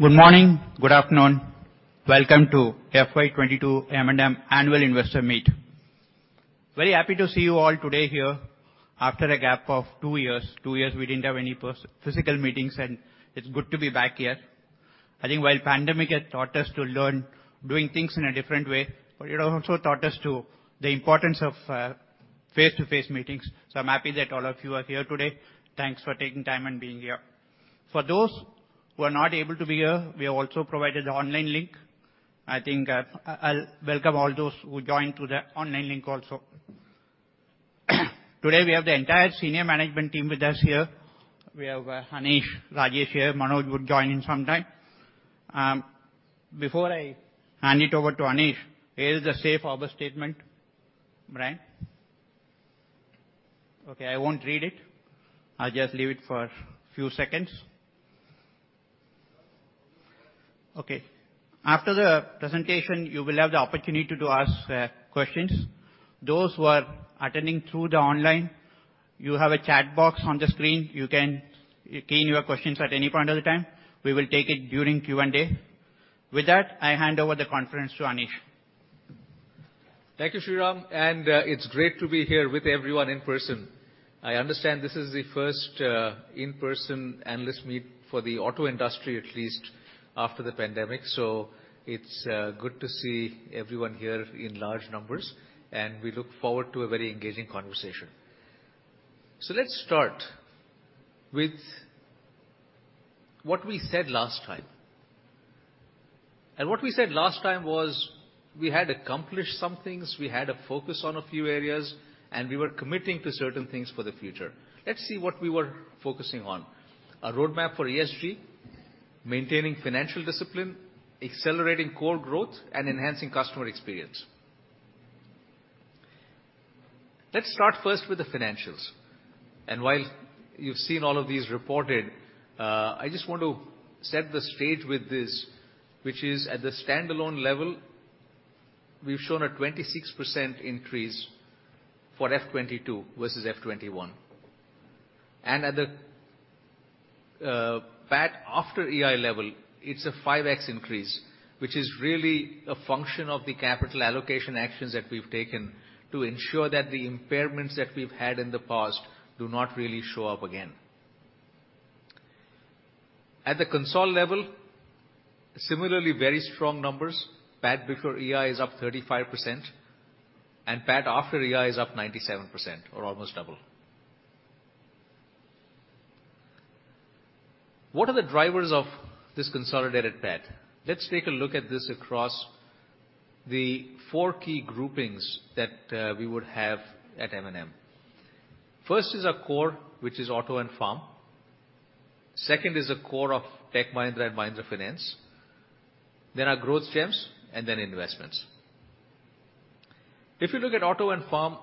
Good afternoon, everyone. Can you please settle in your places? We will start in the next couple of minutes. I think they will be able to change it. It's there. Yeah, yeah. I'm not touching this. Good morning, good afternoon. Welcome to FY 22 M&M Annual Investor Meet. Very happy to see you all today here after a gap of two years. two years we didn't have any physical meetings, and it's good to be back here. I think while pandemic had taught us to learn doing things in a different way, but it has also taught us to the importance of face-to-face meetings. I'm happy that all of you are here today. Thanks for taking time and being here. For those who are not able to be here, we have also provided the online link. I think I'll welcome all those who joined through the online link also. Today, we have the entire senior management team with us here. We have Anish, Rajesh here. Manoj would join in some time. Before I hand it over to Anish, here is the safe harbor statement. Brian? Okay, I won't read it. I'll just leave it for a few seconds. Okay. After the presentation, you will have the opportunity to ask questions. Those who are attending through the online, you have a chat box on the screen, you can key in your questions at any point of the time. We will take it during Q&A. With that, I hand over the conference to Anish. Thank you, Sriram. It's great to be here with everyone in person. I understand this is the first in-person analysts' meet for the auto industry, at least after the pandemic. It's good to see everyone here in large numbers, and we look forward to a very engaging conversation. Let's start with what we said last time. What we said last time was we had accomplished some things, we had a focus on a few areas, and we were committing to certain things for the future. Let's see what we were focusing on. A roadmap for ESG, maintaining financial discipline, accelerating core growth, and enhancing customer experience. Let's start first with the financials. While you've seen all of these reported, I just want to set the stage with this, which is at the standalone level, we've shown a 26% increase for FY22 versus FY21. At the PAT after EI level, it's a 5x increase, which is really a function of the capital allocation actions that we've taken to ensure that the impairments that we've had in the past do not really show up again. At the consolidated level, similarly very strong numbers. PAT before EI is up 35% and PAT after EI is up 97% or almost double. What are the drivers of this consolidated PAT? Let's take a look at this across the four key groupings that we would have at M&M. First is our core, which is auto and farm. Second is the core of Tech Mahindra and Mahindra Finance. Our growth gems and then investments. If you look at auto and farm,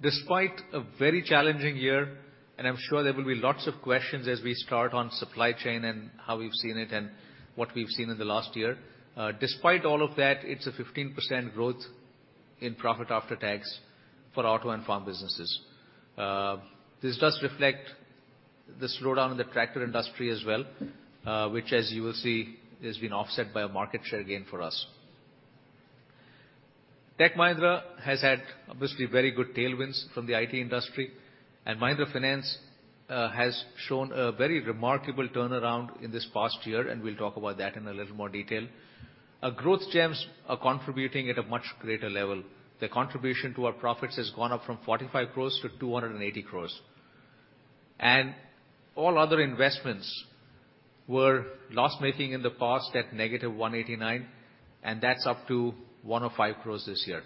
despite a very challenging year, and I'm sure there will be lots of questions as we start on supply chain and how we've seen it and what we've seen in the last year. Despite all of that, it's a 15% growth in profit after tax for auto and farm businesses. This does reflect the slowdown in the tractor industry as well, which as you will see, has been offset by a market share gain for us. Tech Mahindra has had obviously very good tailwinds from the IT industry, and Mahindra Finance has shown a very remarkable turnaround in this past year, and we'll talk about that in a little more detail. Our growth gems are contributing at a much greater level. The contribution to our profits has gone up from 45 crore to 280 crore. All other investments were loss-making in the past at -189 crore, and that's up to 105 crore this year.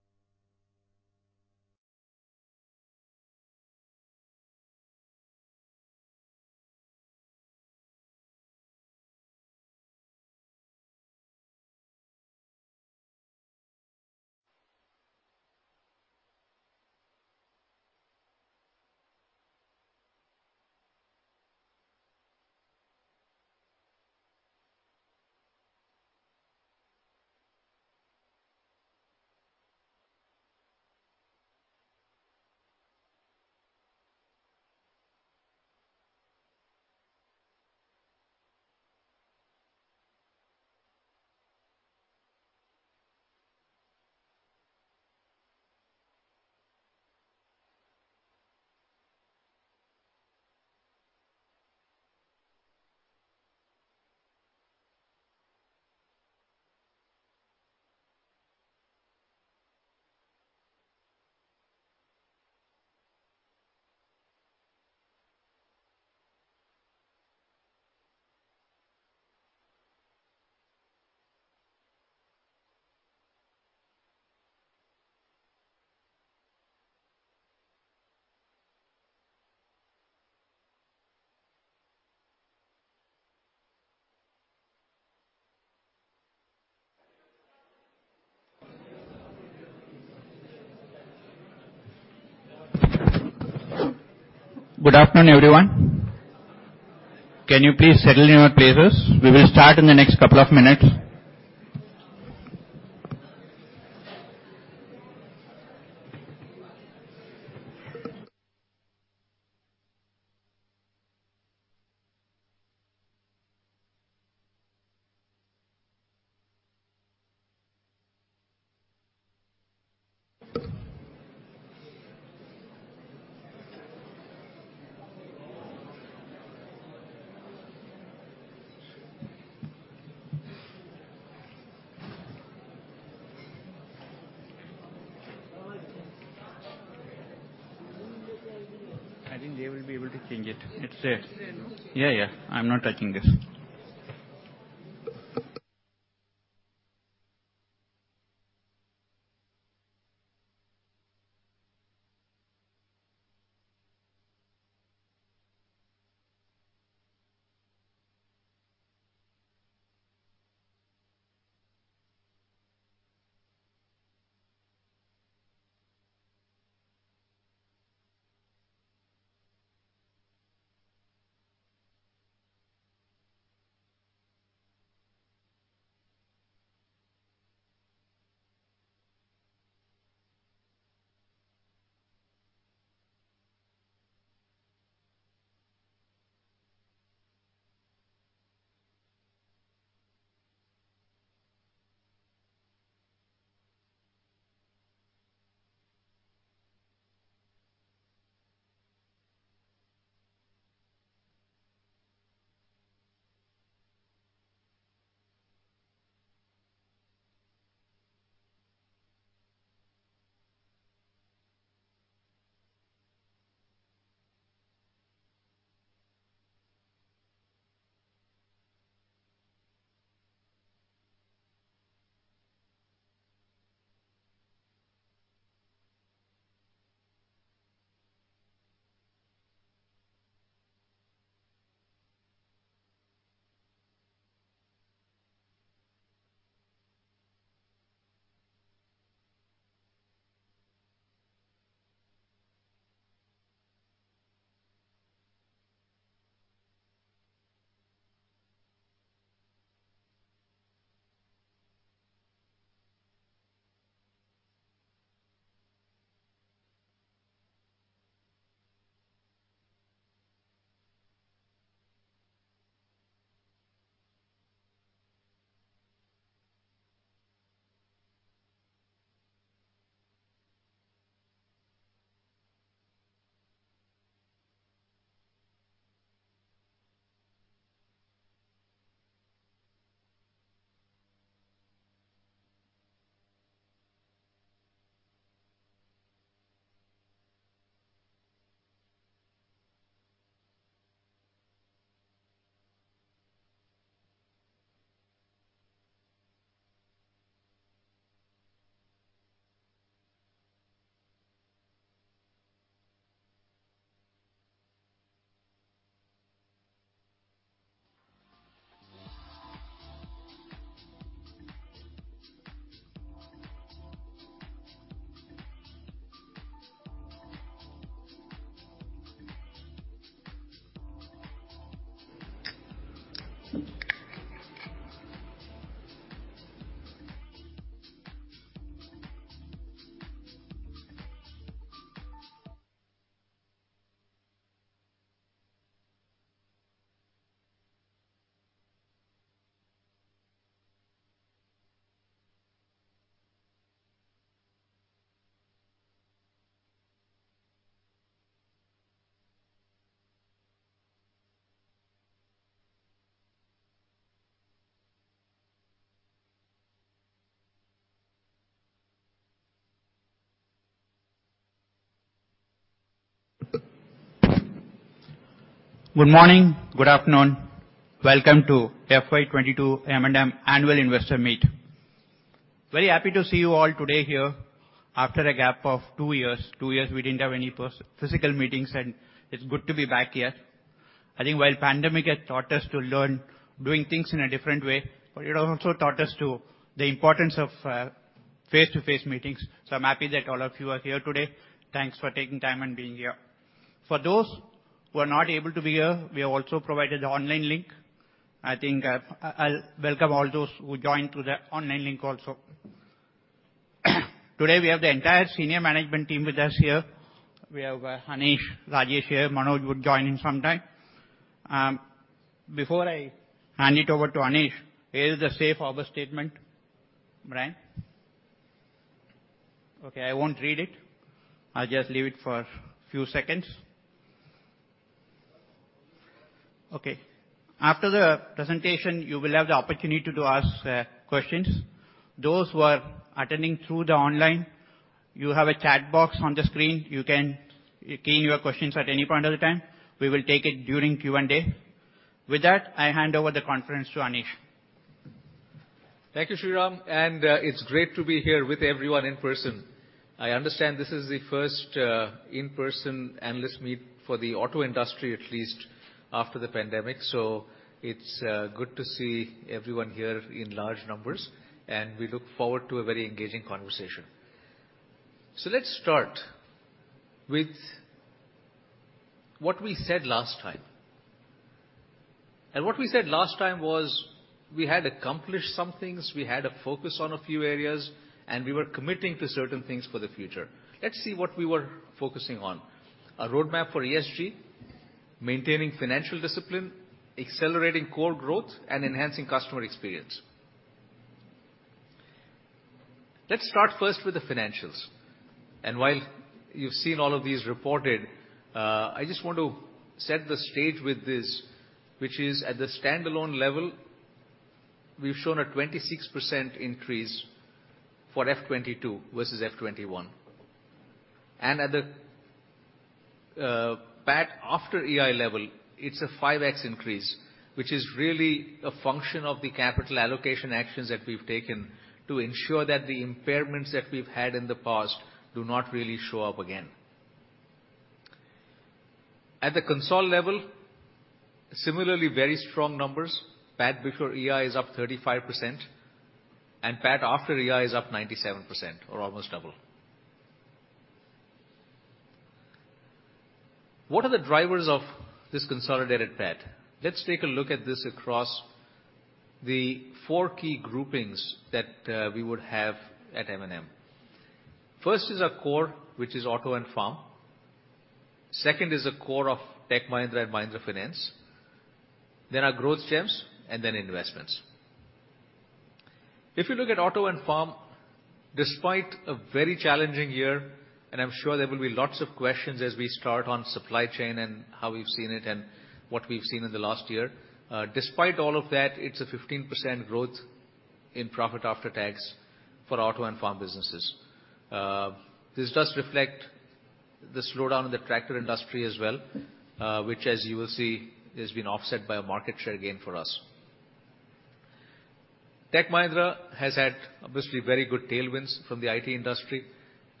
We've got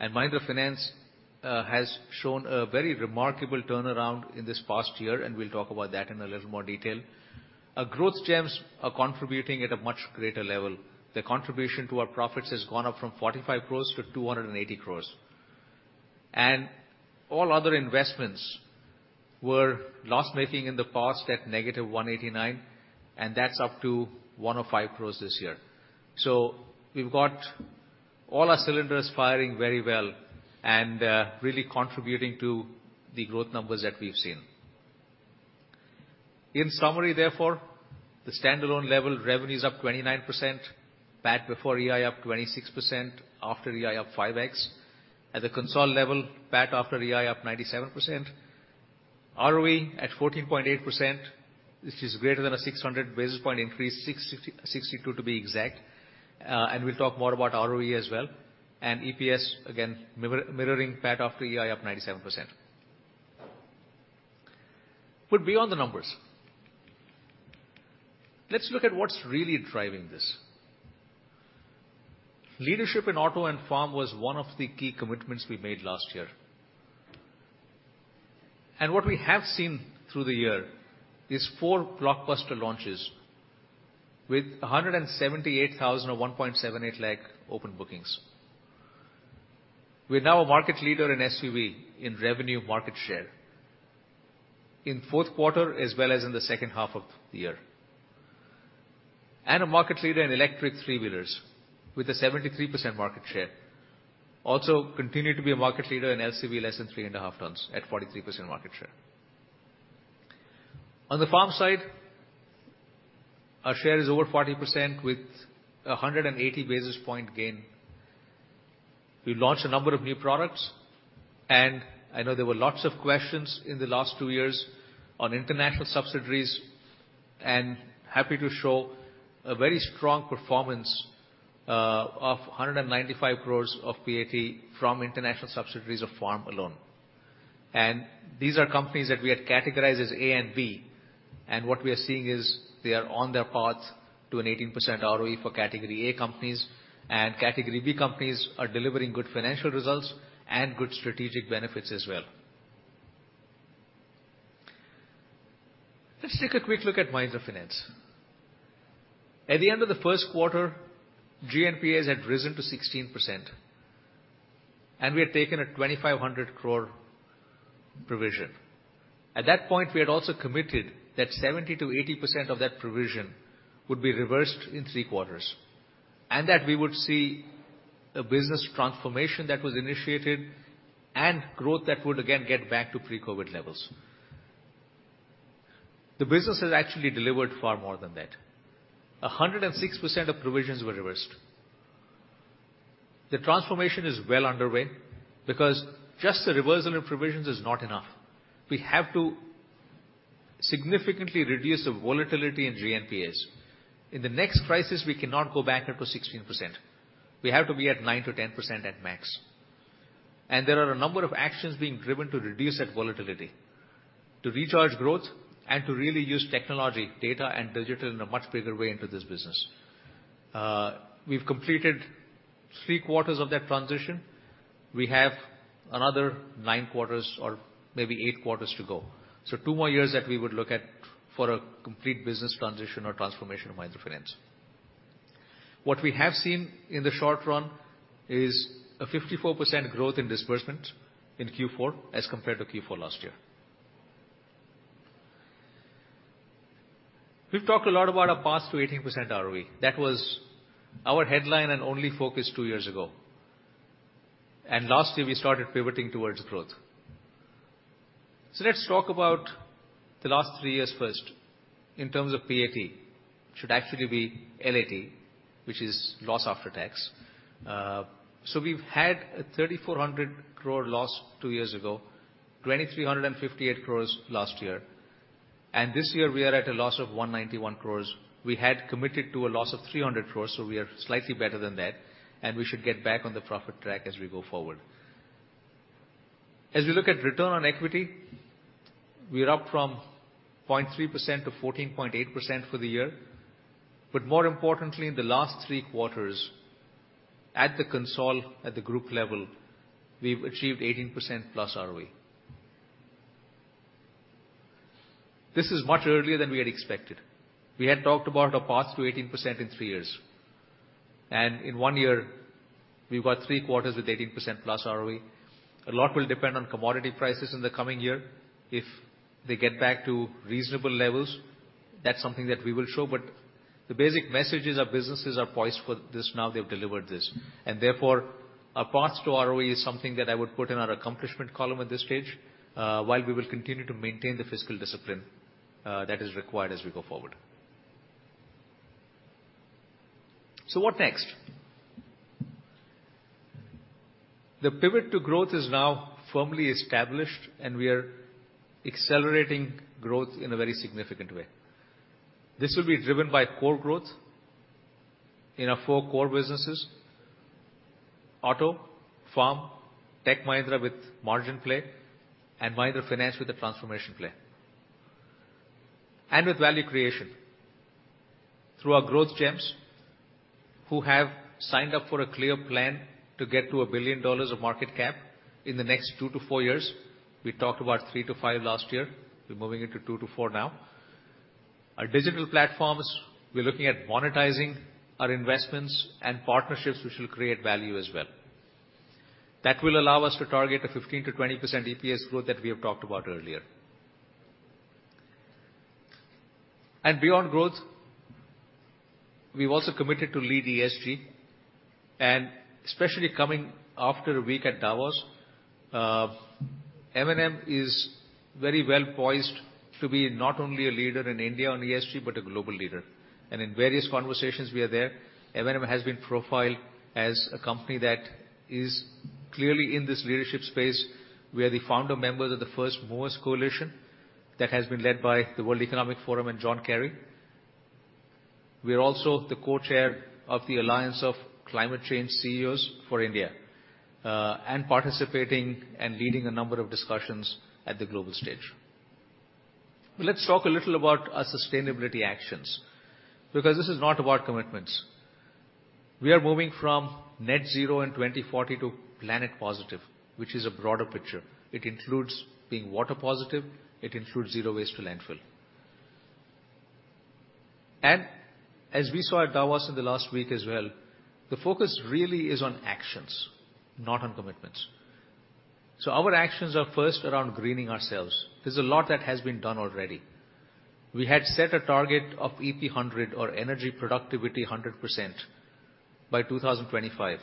all our cylinders firing very well and really contributing to the growth numbers that we've seen. In summary, therefore, the standalone level revenue is up 29%. PAT before EI up 26%, after EI up 5x. At the consolidated level, PAT after EI up 97%. ROE at 14.8%, which is greater than a 600 basis point increase, 662 to be exact. We'll talk more about ROE as well. EPS, again, mirroring PAT after EI up 97%. Beyond the numbers, let's look at what's really driving this. Leadership in auto and farm was one of the key commitments we made last year. What we have seen through the year is four blockbuster launches with 178,000 or 1.78 lakh open bookings. We're now a market leader in SUV in revenue market share in fourth quarter as well as in the second half of the year. A market leader in electric three-wheelers with a 73% market share. Also continue to be a market leader in LCV less than three and a half tons at 43% market share. On the farm side, our share is over 40% with a 180 basis point gain. We launched a number of new products, and I know there were lots of questions in the last two years on international subsidiaries, and happy to show a very strong performance of 195 crore of PAT from international subsidiaries of Farm alone. These are companies that we had categorized as A and B, and what we are seeing is they are on their path to an 18% ROE for category A companies, and category B companies are delivering good financial results and good strategic benefits as well. Let's take a quick look at Mahindra Finance. At the end of the first quarter, GNPA had risen to 16%, and we had taken a 2,500 crore provision. At that point, we had also committed that 70-80% of that provision would be reversed in 3 quarters, and that we would see a business transformation that was initiated and growth that would again get back to pre-COVID levels. The business has actually delivered far more than that. 106% of provisions were reversed. The transformation is well underway because just the reversal of provisions is not enough. We have to significantly reduce the volatility in GNPAs. In the next crisis, we cannot go back up to 16%. We have to be at 9%-10% at max. There are a number of actions being driven to reduce that volatility, to recharge growth and to really use technology, data and digital in a much bigger way into this business. We've completed 3 quarters of that transition. We have another nine quarters or maybe eight quarters to go. Two more years that we would look at for a complete business transition or transformation of Mahindra Finance. What we have seen in the short run is a 54% growth in disbursement in Q4 as compared to Q4 last year. We've talked a lot about our path to 18% ROE. That was our headline and only focus tow years ago. Last year, we started pivoting towards growth. Let's talk about the last three years first in terms of PAT. Should actually be LAT, which is loss after tax. We've had a 3,400 crore loss two years ago, 2,358 crore last year, and this year we are at a loss of 191 crore. We had committed to a loss of 300 crore, so we are slightly better than that, and we should get back on the profit track as we go forward. As we look at return on equity, we are up from 0.3% to 14.8% for the year. More importantly, in the last three quarters at the consolidated, at the group level, we've achieved 18%+ ROE. This is much earlier than we had expected. We had talked about a path to 18% in three years, and in one year, we've got three quarters with 18%+ ROE. A lot will depend on commodity prices in the coming year. If they get back to reasonable levels, that's something that we will show. The basic message is our businesses are poised for this, now they've delivered this. Therefore, our path to ROE is something that I would put in our accomplishment column at this stage, while we will continue to maintain the fiscal discipline that is required as we go forward. What next? The pivot to growth is now firmly established, and we are accelerating growth in a very significant way. This will be driven by core growth in our four core businesses auto, farm, Tech Mahindra with margin play, and Mahindra Finance with the transformation play. With value creation through our growth gems who have signed up for a clear plan to get to $1 billion of market cap in the next two to four years. We talked about three to five last year. We're moving into two to four now. Our digital platforms, we're looking at monetizing our investments and partnerships, which will create value as well. That will allow us to target a 15%-20% EPS growth that we have talked about earlier. Beyond growth, we've also committed to lead ESG, and especially coming after a week at Davos, M&M is very well poised to be not only a leader in India on ESG, but a global leader. In various conversations we had there, M&M has been profiled as a company that is clearly in this leadership space. We are the founder members of the First Movers Coalition that has been led by the World Economic Forum and John Kerry. We are also the co-chair of the Alliance of CEO Climate Action Leaders India, and participating and leading a number of discussions at the global stage. Let's talk a little about our sustainability actions, because this is not about commitments. We are moving from net zero in 2040 to planet positive, which is a broader picture. It includes being water positive. It includes zero waste to landfill. As we saw at Davos in the last week as well, the focus really is on actions, not on commitments. Our actions are first around greening ourselves. There's a lot that has been done already. We had set a target of EP100 or energy productivity 100% by 2025.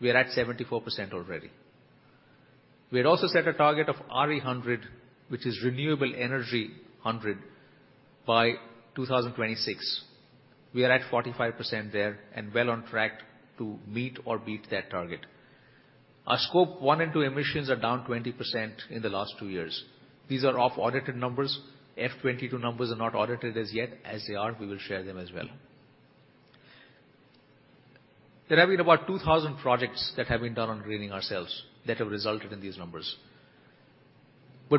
We are at 74% already. We had also set a target of RE100, which is renewable energy 100%, by 2026. We are at 45% there and well on track to meet or beat that target. Our scope one and two emissions are down 20% in the last two years. These are audited numbers. FY22 numbers are not audited as yet. As they are, we will share them as well. There have been about 2,000 projects that have been done on greening ourselves that have resulted in these numbers.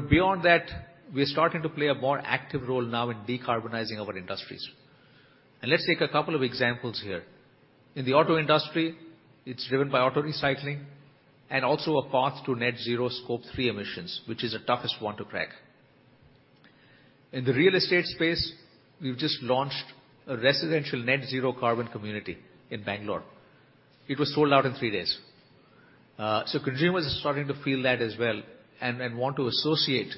Beyond that, we are starting to play a more active role now in decarbonizing our industries. Let's take a couple of examples here. In the auto industry, it's driven by auto recycling and also a path to net zero scope three emissions, which is the toughest one to crack. In the real estate space, we've just launched a residential net zero carbon community in Bangalore. It was sold out in three days. Consumers are starting to feel that as well and want to associate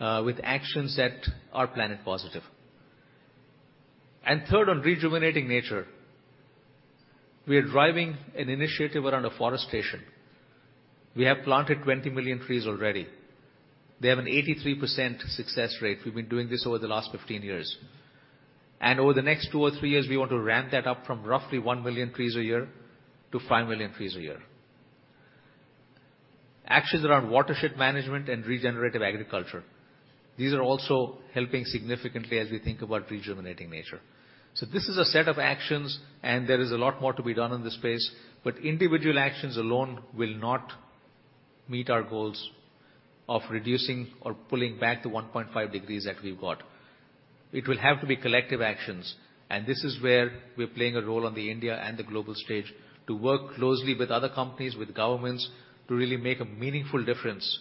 with actions that are planet positive. Third, on rejuvenating nature, we are driving an initiative around afforestation. We have planted 20 million trees already. They have an 83% success rate. We've been doing this over the last 15 years. Over the next two or three years, we want to ramp that up from roughly 1 million trees a year to 5 million trees a year. Actions around watershed management and regenerative agriculture, these are also helping significantly as we think about rejuvenating nature. This is a set of actions, and there is a lot more to be done in this space, but individual actions alone will not meet our goals of reducing or pulling back to 1.5 degrees that we've got. It will have to be collective actions, and this is where we're playing a role on the India and the global stage to work closely with other companies, with governments, to really make a meaningful difference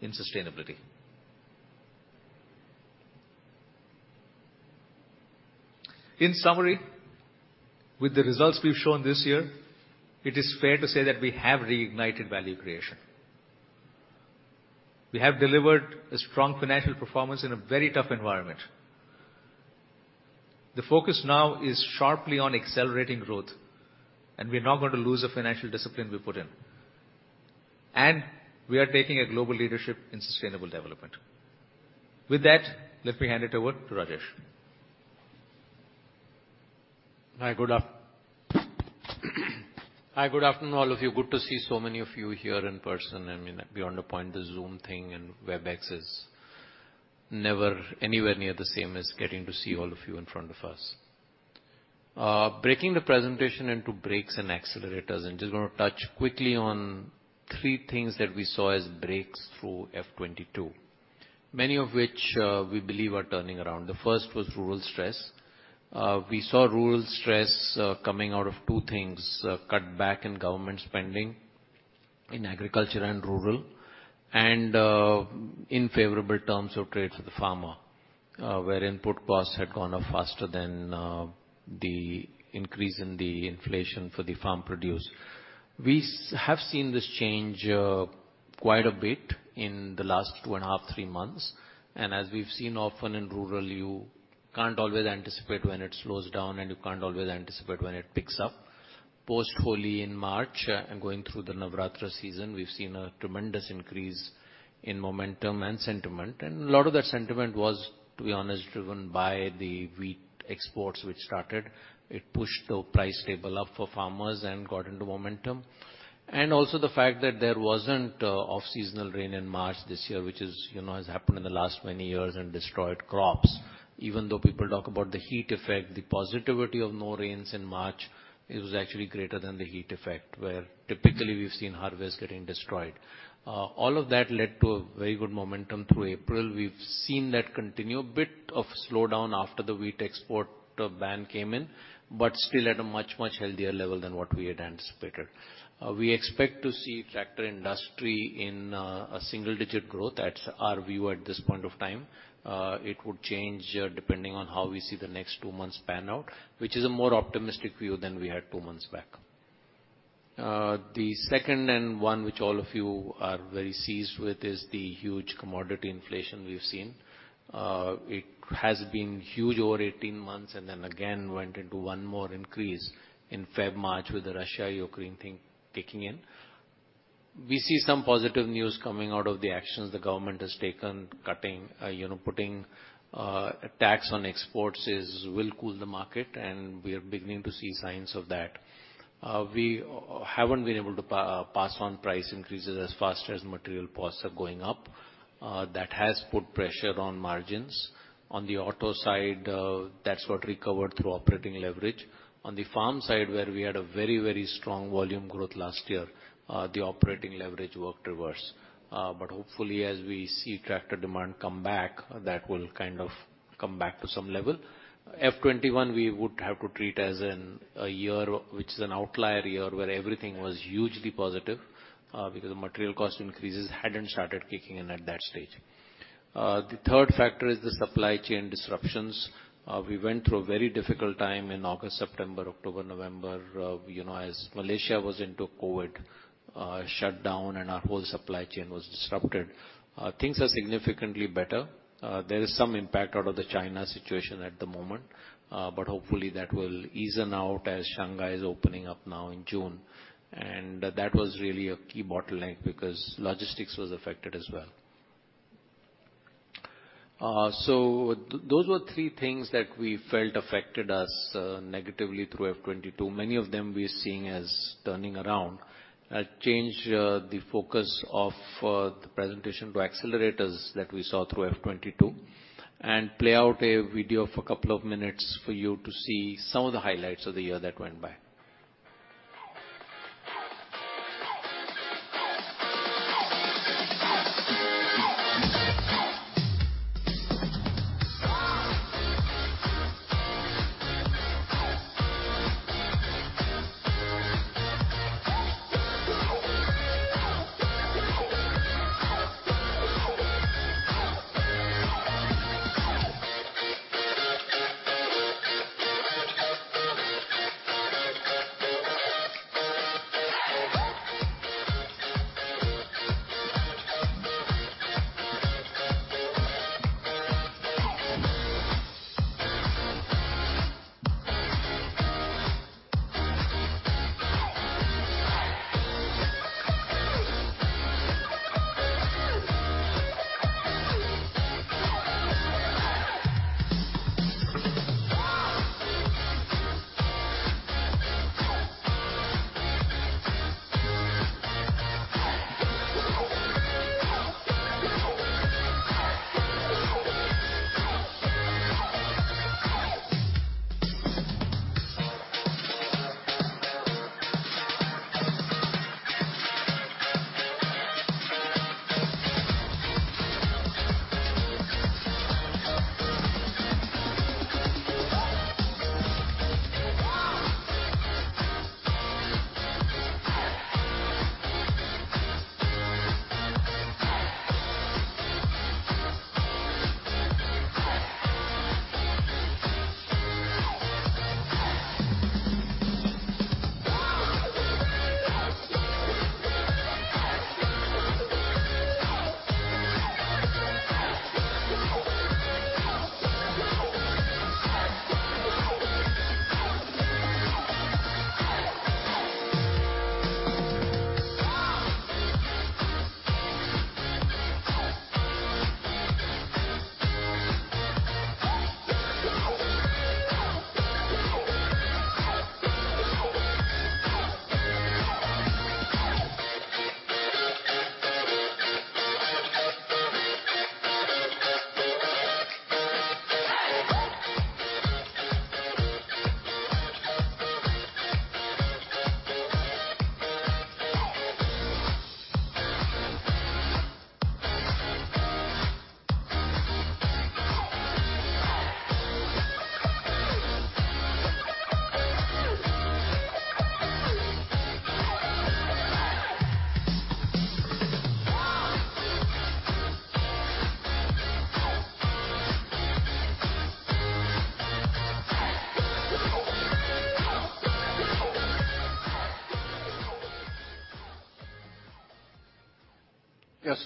in sustainability. In summary, with the results we've shown this year, it is fair to say that we have reignited value creation. We have delivered a strong financial performance in a very tough environment. The focus now is sharply on accelerating growth, and we're not going to lose the financial discipline we put in. We are taking a global leadership in sustainable development. With that, let me hand it over to Rajesh. Hi, good afternoon, all of you. Good to see so many of you here in person. I mean, beyond the point, the Zoom thing and WebEx is never anywhere near the same as getting to see all of you in front of us. Breaking the presentation into brakes and accelerators, I'm just gonna touch quickly on three things that we saw as brakes through FY 2022, many of which we believe are turning around. The first was rural stress. We saw rural stress coming out of two things, cutback in government spending in agriculture and rural, and unfavorable terms of trade for the farmer, where input costs had gone up faster than the increase in the inflation for the farm produce. We have seen this change quite a bit in the last two and ahalf to three months, and as we've seen often in rural, you can't always anticipate when it slows down, and you can't always anticipate when it picks up. Post Holi in March and going through the Navratri season, we've seen a tremendous increase in momentum and sentiment, and a lot of that sentiment was, to be honest, driven by the wheat exports which started. It pushed the price level up for farmers and got into momentum. Also the fact that there wasn't off-seasonal rain in March this year, which, you know, has happened in the last many years and destroyed crops. Even though people talk about the heat effect, the positivity of no rains in March, it was actually greater than the heat effect, where typically we've seen harvests getting destroyed. All of that led to a very good momentum through April. We've seen that continue. A bit of slowdown after the wheat export ban came in, but still at a much, much healthier level than what we had anticipated. We expect to see tractor industry in a single digit growth. That's our view at this point of time. It would change depending on how we see the next two months pan out, which is a more optimistic view than we had two months back. The second and one which all of you are very seized with is the huge commodity inflation we've seen. It has been huge over 18 months and then again went into one more increase in Feb/March with the Russia-Ukraine thing kicking in. We see some positive news coming out of the actions the government has taken. Cutting, you know, putting tax on exports is, will cool the market, and we are beginning to see signs of that. We haven't been able to pass on price increases as fast as material costs are going up. That has put pressure on margins. On the auto side, that's got recovered through operating leverage. On the farm side, where we had a very strong volume growth last year, the operating leverage worked reverse. Hopefully, as we see tractor demand come back, that will kind of come back to some level. FY21 we would have to treat as a year which is an outlier year, where everything was hugely positive, because the material cost increases hadn't started kicking in at that stage. The third factor is the supply chain disruptions. We went through a very difficult time in August, September, October, November, you know, as Malaysia was into COVID shutdown and our whole supply chain was disrupted. Things are significantly better. There is some impact out of the China situation at the moment, but hopefully that will even out as Shanghai is opening up now in June. That was really a key bottleneck because logistics was affected as well. Those were three things that we felt affected us negatively through FY22. Many of them we're seeing as turning around. I'll change the focus of the presentation to accelerators that we saw through FY 2022 and play out a video for a couple of minutes for you to see some of the highlights of the year that went by.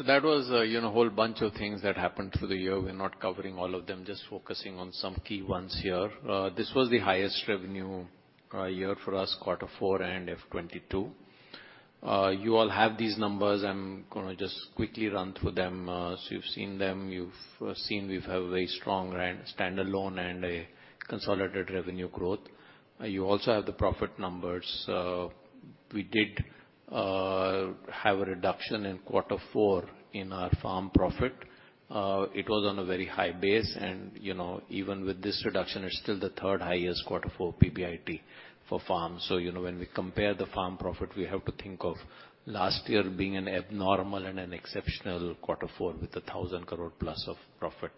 That was you know a whole bunch of things that happened through the year. We're not covering all of them, just focusing on some key ones here. This was the highest revenue year for us, quarter four and FY 2022. You all have these numbers. I'm gonna just quickly run through them. You've seen them. You've seen we've a very strong standalone and a consolidated revenue growth. You also have the profit numbers. We did have a reduction in quarter four in our farm profit. It was on a very high base and, you know, even with this reduction, it's still the third highest quarter four PBIT for Farm. You know, when we compare the Farm profit, we have to think of last year being an abnormal and an exceptional quarter four with 1,000 crore plus of profit.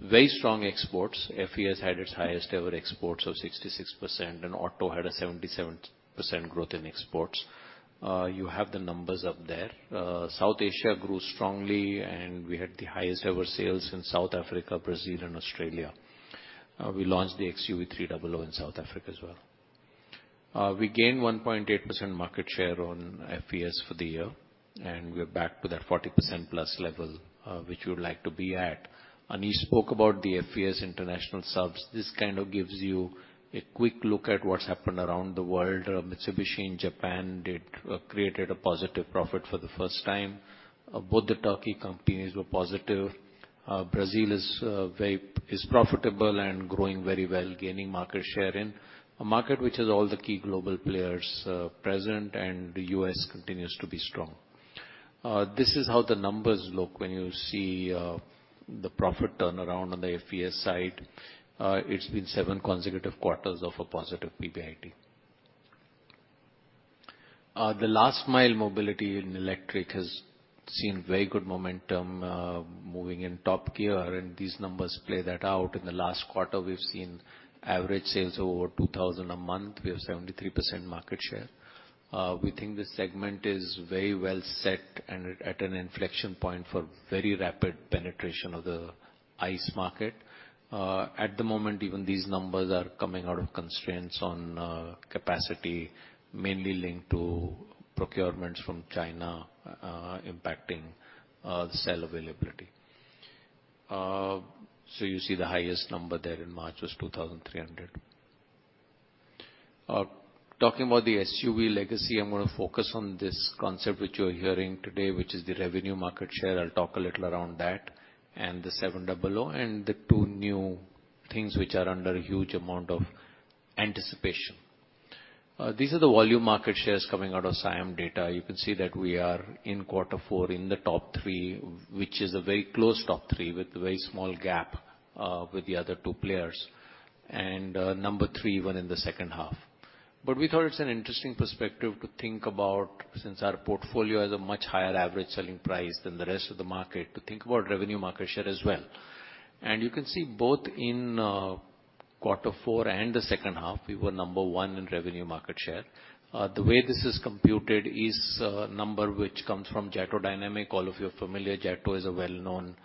Very strong exports. FES had its highest ever exports of 66%, and Auto had a 77% growth in exports. You have the numbers up there. South Asia grew strongly, and we had the highest ever sales in South Africa, Brazil, and Australia. We launched the XUV300 in South Africa as well. We gained 1.8% market share on FES for the year, and we're back to that 40% plus level, which we would like to be at. He spoke about the FES international subs. This kind of gives you a quick look at what's happened around the world. Mitsubishi in Japan created a positive profit for the first time. Both the Turkey companies were positive. Brazil is profitable and growing very well, gaining market share in a market which has all the key global players present, and the U.S continues to be strong. This is how the numbers look when you see the profit turnaround on the FES side. It's been seven consecutive quarters of a positive PBIT. The last mile mobility in electric has seen very good momentum, moving in top gear, and these numbers play that out. In the last quarter, we've seen average sales over 2,000 a month. We have 73% market share. We think the segment is very well set and at an inflection point for very rapid penetration of the ICE market. At the moment, even these numbers are coming out of constraints on capacity, mainly linked to procurements from China, impacting the cell availability. You see the highest number there in March was 2,300. Talking about the SUV legacy, I'm gonna focus on this concept which you're hearing today, which is the revenue market share. I'll talk a little around that and the 700 and the two new things which are under a huge amount of anticipation. These are the volume market shares coming out of SIAM data. You can see that we are in quarter four in the top three, which is a very close top three with a very small gap with the other two players and number three, one in the second half. We thought it's an interesting perspective to think about since our portfolio has a much higher average selling price than the rest of the market to think about revenue market share as well. You can see both in quarter four and the second half we were number one in revenue market share. The way this is computed is a number which comes from JATO Dynamics. All of you are familiar. JATO is a well-known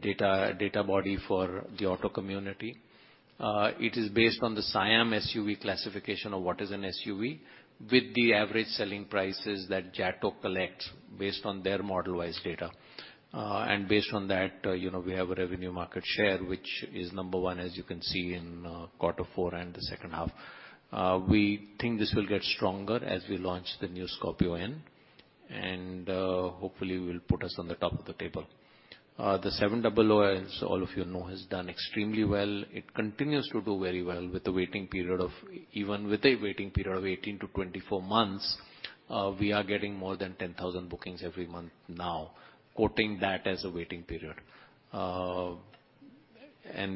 data body for the auto community. It is based on the SIAM SUV classification of what is an SUV with the average selling prices that JATO collects based on their model-wise data. Based on that, you know, we have a revenue market share which is number one as you can see in quarter four and the second half. We think this will get stronger as we launch the new Scorpio-No N and hopefully will put us on the top of the table. The 700 as all of you know has done extremely well. It continues to do very well even with a waiting period of 18-24 months, we are getting more than 10,000 bookings every month now quoting that as a waiting period.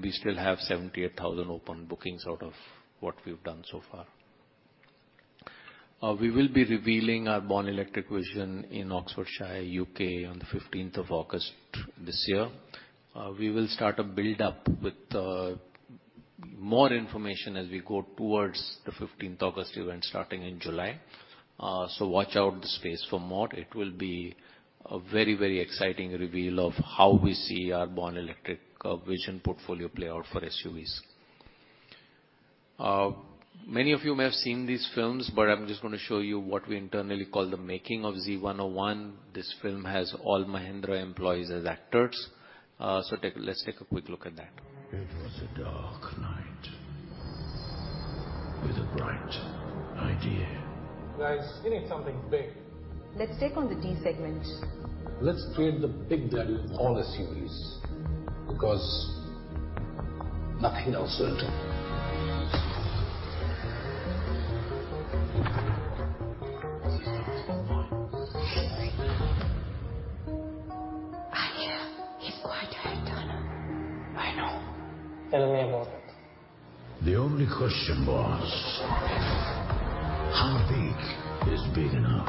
We still have 78,000 open bookings out of what we've done so far. We will be revealing our Born Electric vision in Oxfordshire, U.K on the 15th of August this year. We will start a build-up with more information as we go towards the 15th August event starting in July. Watch this space for more. It will be a very, very exciting reveal of how we see our Born Electric vision portfolio play out for SUVs. Many of you may have seen these films, but I'm just gonna show you what we internally call the making of Z101. This film has all Mahindra employees as actors. Let's take a quick look at that. It was a dark night with a bright idea. Guys, we need something big. Let's take on the D-segment. Let's create the big daddy of all SUVs because nothing else will do. He's not human. Henry. I hear he's quite a head-turner. I know. Tell me about it. The only question was how big is big enough?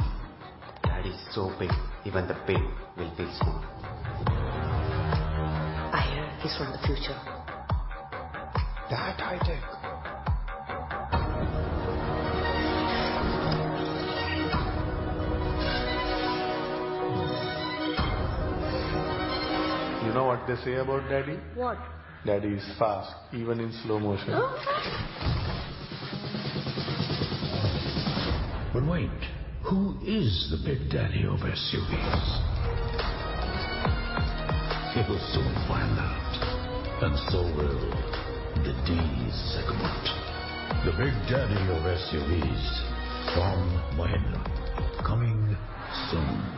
Daddy's so big, even the big will feel small. I hear he's from the future. That I do. You know what they say about daddy? What? Daddy is fast even in slow motion. Oh. Wait, who is the big daddy of SUVs? You will soon find out and so will the D-segment. The big daddy of SUVs from Mahindra coming soon.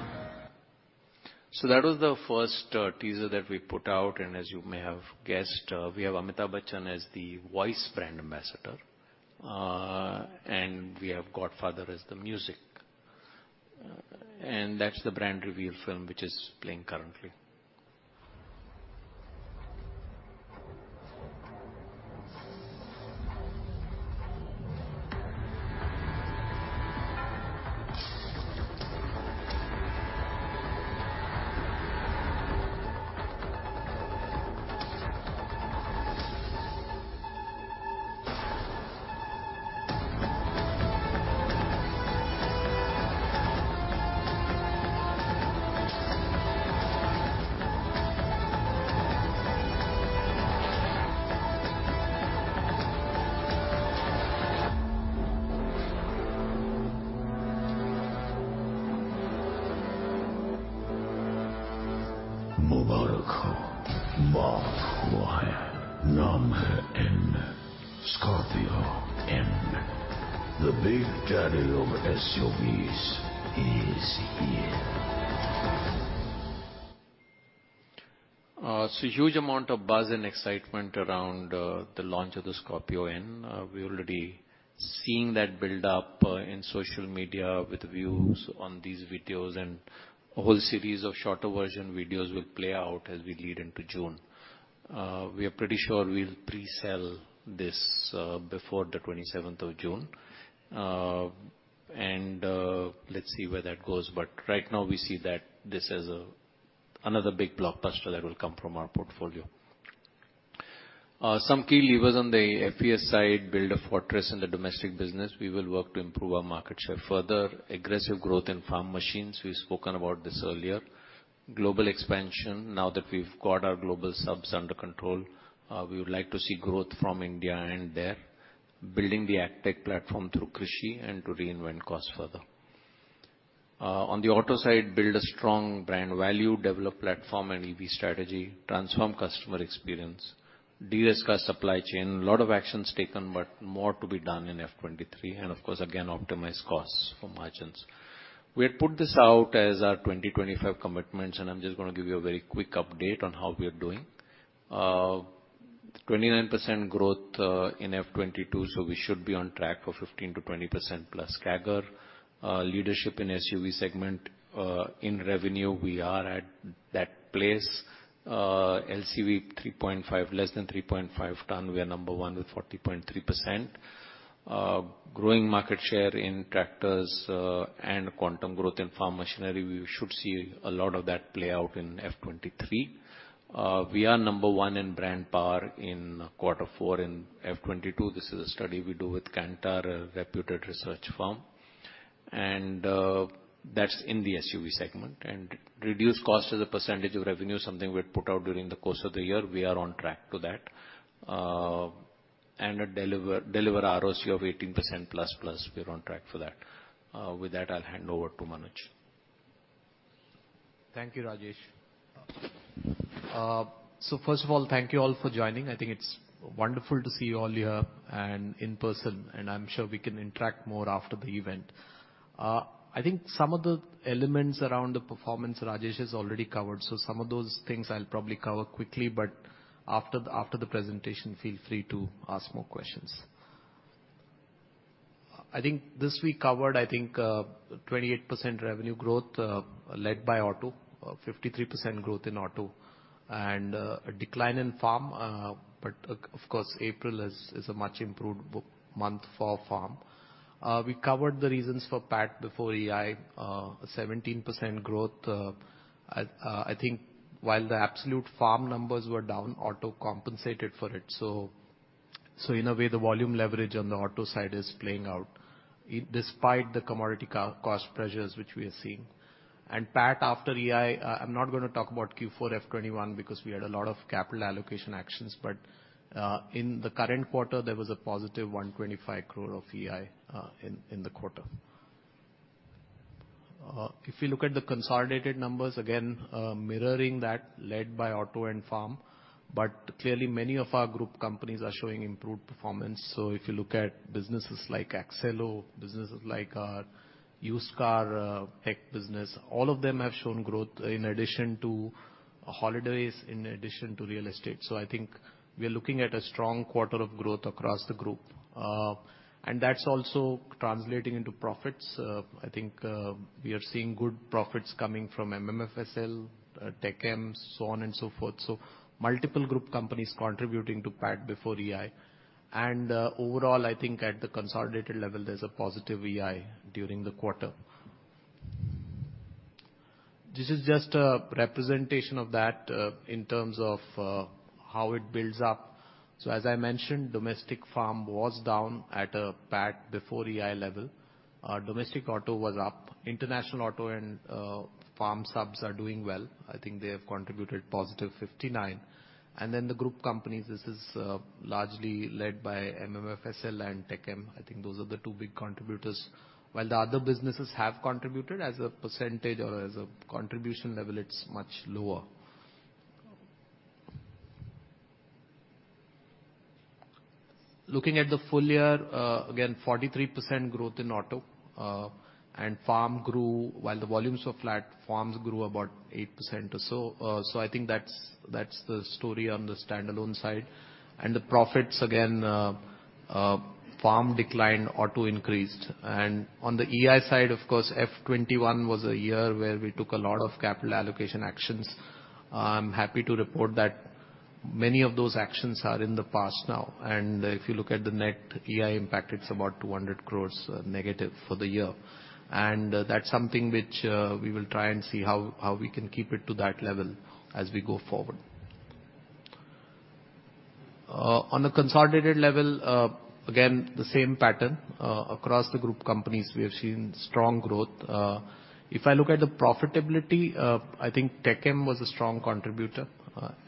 That was the first teaser that we put out, and as you may have guessed, we have Amitabh Bachchan as the voice brand ambassador, and we have Godfather as the music. That's the brand reveal film which is playing currently. Huge amount of buzz and excitement around the launch of the Scorpio N. We're already seeing that build up in social media with views on these videos and a whole series of shorter version videos will play out as we lead into June. We are pretty sure we'll pre-sell this before the 27th of June. Let's see where that goes. Right now we see that this is another big blockbuster that will come from our portfolio. Some key levers on the FES side, build a fortress in the domestic business. We will work to improve our market share. Further aggressive growth in farm machines, we've spoken about this earlier. Global expansion, now that we've got our global subs under control, we would like to see growth from India and there. Building the AgTech platform through Krish-e and to reinvent costs further. On the auto side, build a strong brand value, develop platform and EV strategy, transform customer experience, de-risk our supply chain. A lot of actions taken, but more to be done in FY 2023 and of course, again, optimize costs for margins. We had put this out as our 2025 commitments, and I'm just gonna give you a very quick update on how we are doing. 29% growth in FY 2022, so we should be on track for 15%-20%+ CAGR. Leadership in SUV segment. In revenue, we are at that place. LCV, less than 3.5 ton, we are number one with 40.3%. Growing market share in tractors, and quantum growth in farm machinery, we should see a lot of that play out in FY 2023. We are number one in brand power in Q4 FY 2022. This is a study we do with Kantar, a reputed research firm. That's in the SUV segment. Reduce cost as a percentage of revenue, something we had put out during the course of the year. We are on track to that. Deliver ROC of 18% plus plus, we are on track for that. With that, I'll hand over to Manoj. Thank you, Rajesh. So first of all, thank you all for joining. I think it's wonderful to see you all here and in person, and I'm sure we can interact more after the event. I think some of the elements around the performance Rajesh has already covered, so some of those things I'll probably cover quickly. After the presentation, feel free to ask more questions. This, we covered 28% revenue growth, led by auto. 53% growth in auto. A decline in farm, but of course, April is a much improved book month for farm. We covered the reasons for PAT before EI. 17% growth, I think while the absolute farm numbers were down, auto compensated for it. In a way, the volume leverage on the auto side is playing out despite the commodity cost pressures which we are seeing. PAT after EI, I'm not gonna talk about Q4 FY 2021 because we had a lot of capital allocation actions. In the current quarter, there was a positive 125 crore of EI in the quarter. If you look at the consolidated numbers, again, mirroring that led by auto and farm. Clearly, many of our group companies are showing improved performance. If you look at businesses like Accelo, businesses like our used car tech business, all of them have shown growth in addition to holidays, in addition to real estate. I think we are looking at a strong quarter of growth across the group. That's also translating into profits. I think we are seeing good profits coming from MMFSL, Tech M, so on and so forth. Multiple group companies contributing to PAT before EI. Overall, I think at the consolidated level, there's a positive EI during the quarter. This is just a representation of that, in terms of how it builds up. As I mentioned, domestic farm was down at a PAT before EI level. Domestic auto was up. International auto and farm subs are doing well. I think they have contributed +59. Then the group companies, this is largely led by MMFSL and Tech M. I think those are the two big contributors. While the other businesses have contributed as a percentage or as a contribution level, it's much lower. Looking at the full year, again, 43% growth in auto. Farm grew, while the volumes were flat. Farm grew about 8% or so. I think that's the story on the standalone side. The profits, again, Farm declined, Auto increased. On the EI side, of course, FY 2021 was a year where we took a lot of capital allocation actions. I'm happy to report that many of those actions are in the past now. If you look at the net EI impact, it's about 200 crores negative for the year. That's something which we will try and see how we can keep it to that level as we go forward. On a consolidated level, again, the same pattern. Across the group companies, we have seen strong growth. If I look at the profitability, I think Tech M was a strong contributor,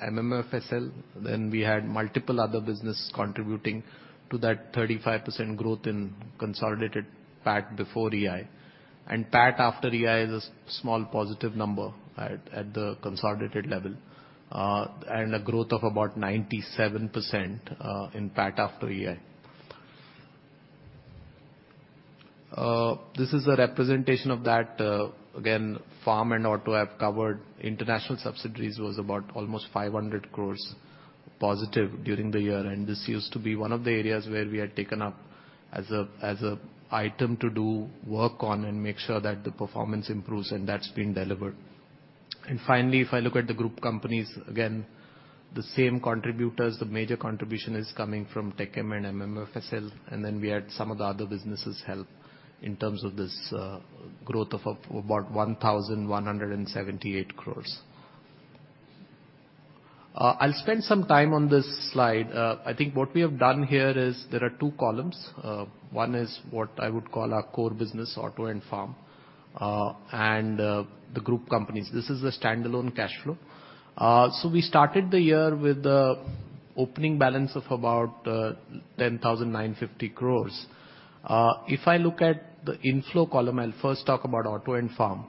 MMFSL, then we had multiple other business contributing to that 35% growth in consolidated PAT before EI. PAT after EI is a small positive number at the consolidated level. A growth of about 97% in PAT after EI. This is a representation of that. Again, farm and auto I've covered. International subsidiaries was about almost 500 crore positive during the year, and this used to be one of the areas where we had taken up as a item to do work on and make sure that the performance improves, and that's been delivered. Finally, if I look at the group companies, again, the same contributors, the major contribution is coming from Tech M and MMFSL, and then we had some of the other businesses help in terms of this growth of about 1,178 crores. I'll spend some time on this slide. I think what we have done here is there are two columns. One is what I would call our core business, auto and farm, and the group companies. This is a standalone cashflow. So we started the year with the opening balance of about 10,950 crores. If I look at the inflow column, I'll first talk about auto and farm.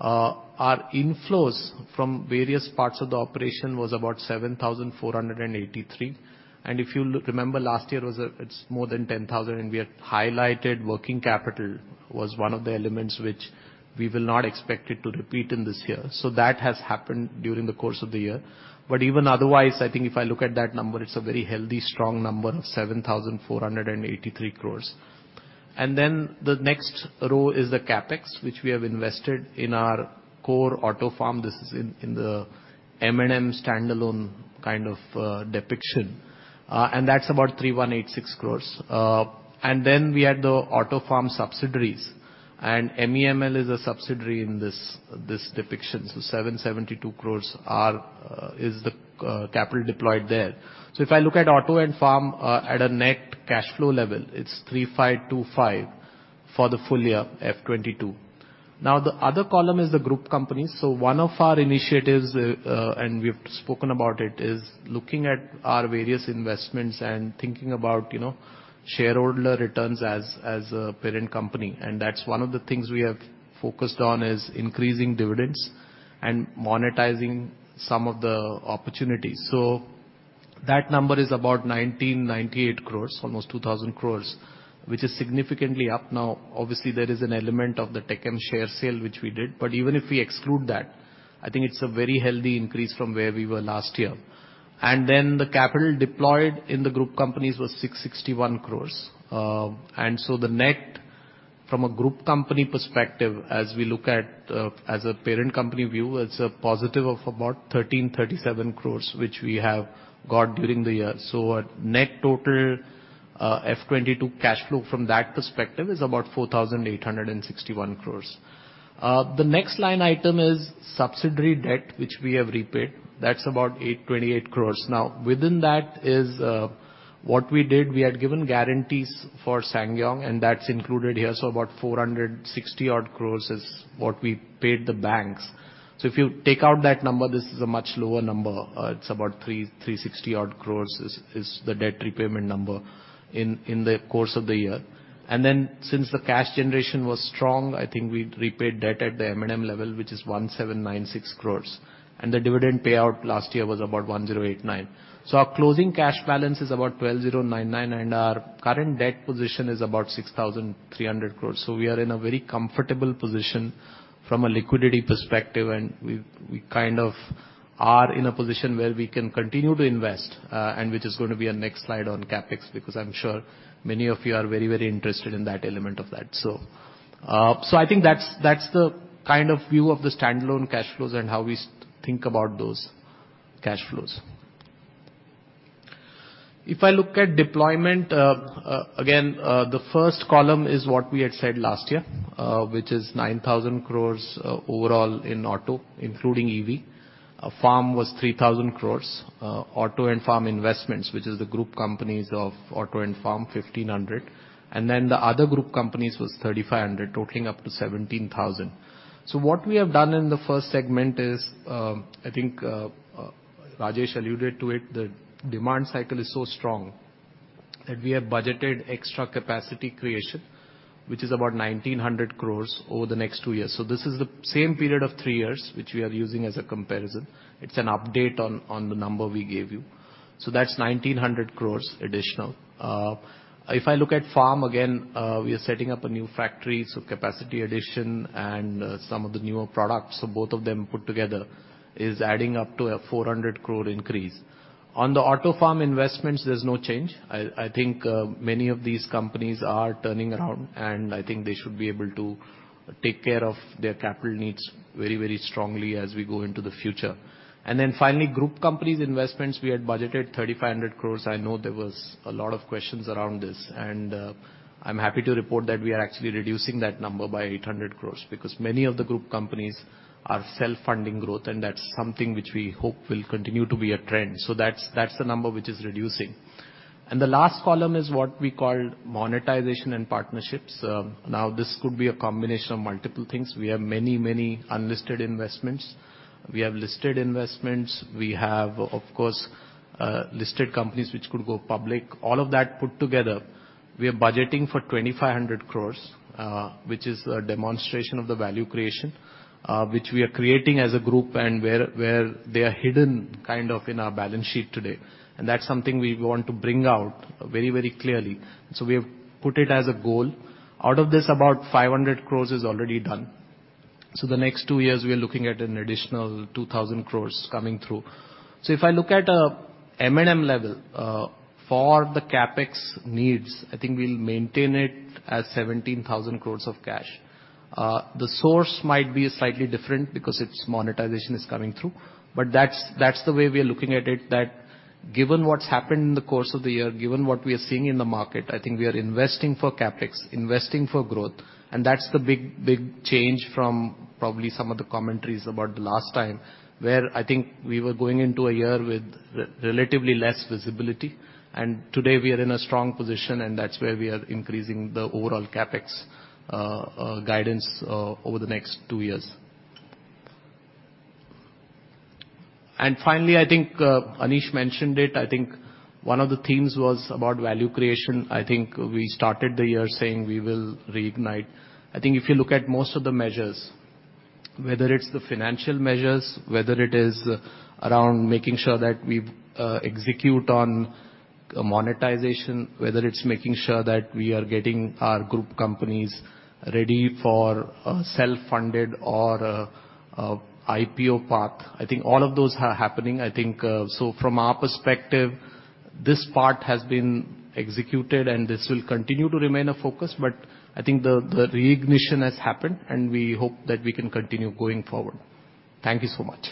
Our inflows from various parts of the operation was about 7,483 crores. If you remember last year, it was, it's more than 10,000 crore, and we had highlighted working capital was one of the elements which we will not expect it to repeat in this year. That has happened during the course of the year. But even otherwise, I think if I look at that number, it's a very healthy, strong number of 7,483 crore. Then the next row is the CapEx, which we have invested in our core auto farm. This is in the M&M standalone kind of depiction, and that's about 3,186 crore. Then we had the auto farm subsidiaries, and MEML is a subsidiary in this depiction. Seven hundred seventy-two crore is the capital deployed there. If I look at auto and farm, at a net cashflow level, it's 3,525 crores for the full year FY 2022. Now, the other column is the group companies. One of our initiatives, and we've spoken about it, is looking at our various investments and thinking about, you know, shareholder returns as a parent company. That's one of the things we have focused on, is increasing dividends and monetizing some of the opportunities. That number is about 1,998 crores, almost 2,000 crores, which is significantly up. Now, obviously there is an element of the Tech M share sale which we did, but even if we exclude that, I think it's a very healthy increase from where we were last year. Then the capital deployed in the group companies was 661 crores. The net from a group company perspective, as we look at, as a parent company view, it's a positive of about 1,337 crores, which we have got during the year. Our net total, FY '22 cash flow from that perspective is about 4,861 crores. The next line item is subsidiary debt, which we have repaid. That's about 828 crores. Now, within that is, what we did, we had given guarantees for SsangYong, and that's included here. About 460 odd crores is what we paid the banks. If you take out that number, this is a much lower number. It's about 360 odd crores is the debt repayment number in the course of the year. Then since the cash generation was strong, I think we repaid debt at the M&M level, which is 1,796 crores, and the dividend payout last year was about 1,089 crores. Our closing cash balance is about 1,209.9 crores, and our current debt position is about 6,300 crores. We are in a very comfortable position from a liquidity perspective, and we kind of are in a position where we can continue to invest, and which is gonna be our next slide on CapEx, because I'm sure many of you are very, very interested in that element of that. I think that's the kind of view of the standalone cash flows and how we think about those cash flows. If I look at deployment, again, the first column is what we had said last year, which is 9,000 crore overall in auto, including EV. Farm was 3,000 crore. Auto and farm investments, which is the group companies of auto and farm, 1,500 crore. Then the other group companies was 3,500 crore, totaling up to 17,000 crore. What we have done in the first segment is, I think, Rajesh alluded to it, the demand cycle is so strong that we have budgeted extra capacity creation, which is about 1,900 crore over the next two years. This is the same period of three years which we are using as a comparison. It's an update on the number we gave you. That's 1,900 crore additional. If I look at Farm again, we are setting up a new factory, so capacity addition and some of the newer products. Both of them put together is adding up to an 400 crore increase. On the Auto and Farm investments, there's no change. I think many of these companies are turning around, and I think they should be able to take care of their capital needs very, very strongly as we go into the future. Then finally, group companies investments, we had budgeted 3,500 crores. I know there was a lot of questions around this, and I'm happy to report that we are actually reducing that number by 800 crores because many of the group companies are self-funding growth, and that's something which we hope will continue to be a trend. That's the number which is reducing. The last column is what we call monetization and partnerships. Now this could be a combination of multiple things. We have many, many unlisted investments. We have listed investments. We have, of course, listed companies which could go public. All of that put together, we are budgeting for 2,500 crores, which is a demonstration of the value creation, which we are creating as a group and where they are hidden, kind of, in our balance sheet today. That's something we want to bring out very, very clearly. We have put it as a goal. Out of this, about 500 crores is already done. The next two years we are looking at an additional 2,000 crores coming through. If I look at an M&M level, for the CapEx needs, I think we'll maintain it as 17,000 crore of cash. The source might be slightly different because its monetization is coming through, but that's the way we are looking at it, that given what's happened in the course of the year, given what we are seeing in the market, I think we are investing for CapEx, investing for growth. That's the big, big change from probably some of the commentaries about the last time, where I think we were going into a year with relatively less visibility. Today we are in a strong position, and that's where we are increasing the overall CapEx guidance over the next two years. Finally, I think Anish mentioned it. I think one of the themes was about value creation. I think we started the year saying we will reignite. I think if you look at most of the measures, whether it's the financial measures, whether it is around making sure that we execute on monetization, whether it's making sure that we are getting our group companies ready for a self-funded or IPO path. I think all of those are happening. I think from our perspective, this part has been executed, and this will continue to remain a focus, but I think the reignition has happened, and we hope that we can continue going forward. Thank you so much.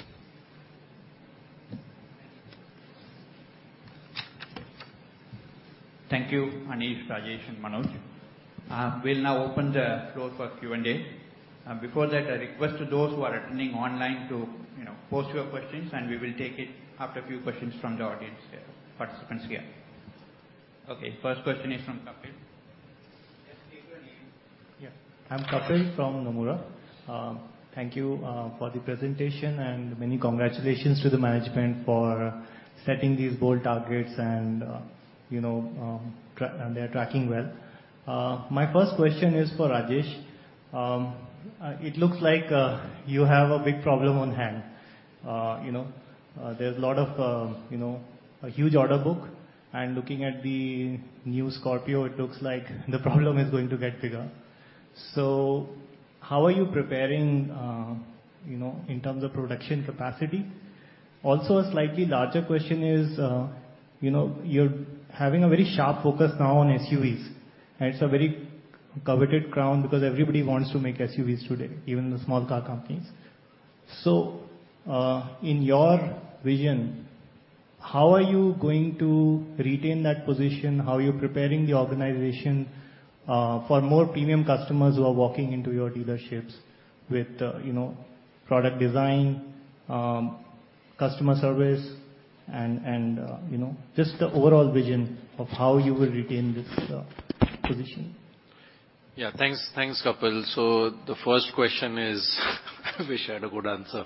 Thank you, Anish, Rajesh and Manoj. We'll now open the floor for Q&A. Before that, I request to those who are attending online to, you know, post your questions, and we will take it after a few questions from the audience here, participants here. Okay, first question is from Kapil. Just state your name. Yeah. I'm Kapil from Nomura. Thank you for the presentation and many congratulations to the management for setting these bold targets and, you know, they're tracking well. My first question is for Rajesh. It looks like you have a big problem on hand. You know, there's a lot of, you know, a huge order book, and looking at the new Scorpio, it looks like the problem is going to get bigger. How are you preparing, you know, in terms of production capacity? Also, a slightly larger question is, you know, you're having a very sharp focus now on SUVs, and it's a very coveted crown because everybody wants to make SUVs today, even the small car companies. In your vision, how are you going to retain that position? How are you preparing the organization for more premium customers who are walking into your dealerships with, you know, product design, customer service and you know, just the overall vision of how you will retain this position? Thanks. Thanks, Kapil. The first question is I wish I had a good answer.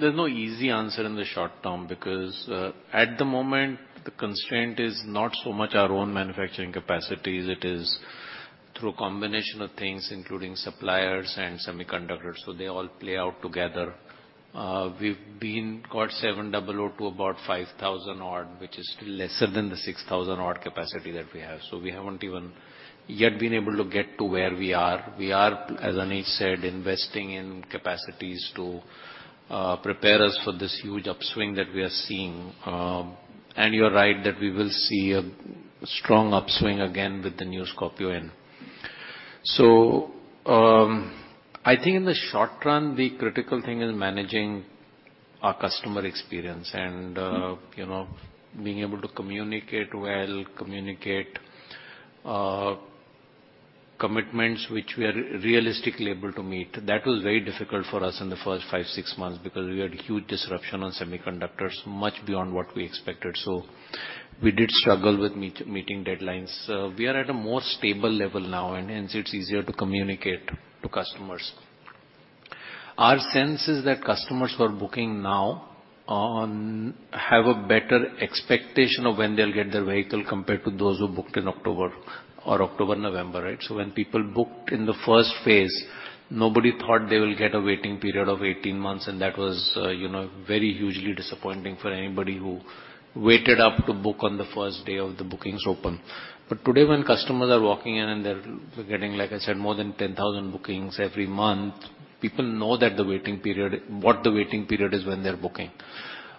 There's no easy answer in the short term because at the moment, the constraint is not so much our own manufacturing capacities. It is through a combination of things, including suppliers and semiconductors, so they all play out together. We've got 700 to about 5,000-odd, which is still lesser than the 6,000-odd capacity that we have. We haven't even yet been able to get to where we are. We are, as Anish said, investing in capacities to prepare us for this huge upswing that we are seeing. You're right that we will see a strong upswing again with the new Scorpio-N. I think in the short run, the critical thing is managing our customer experience and, you know, being able to communicate commitments which we are realistically able to meet. That was very difficult for us in the first five, six months because we had huge disruption on semiconductors, much beyond what we expected. We did struggle with meeting deadlines. We are at a more stable level now and hence it's easier to communicate to customers. Our sense is that customers who are booking now have a better expectation of when they'll get their vehicle compared to those who booked in October or October-November, right? When people booked in the first phase, nobody thought they will get a waiting period of 18 months, and that was, you know, very hugely disappointing for anybody who waited up to book on the first day of the bookings open. Today, when customers are walking in and they're getting, like I said, more than 10,000 bookings every month, people know that the waiting period, what the waiting period is when they're booking.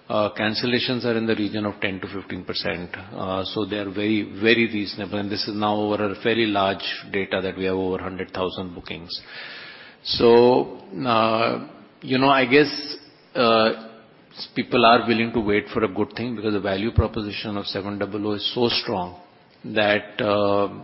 Cancellations are in the region of 10%-15%. So they are very, very reasonable. This is now over a fairly large data that we have over 100,000 bookings. You know, I guess people are willing to wait for a good thing because the value proposition of XUV700 is so strong that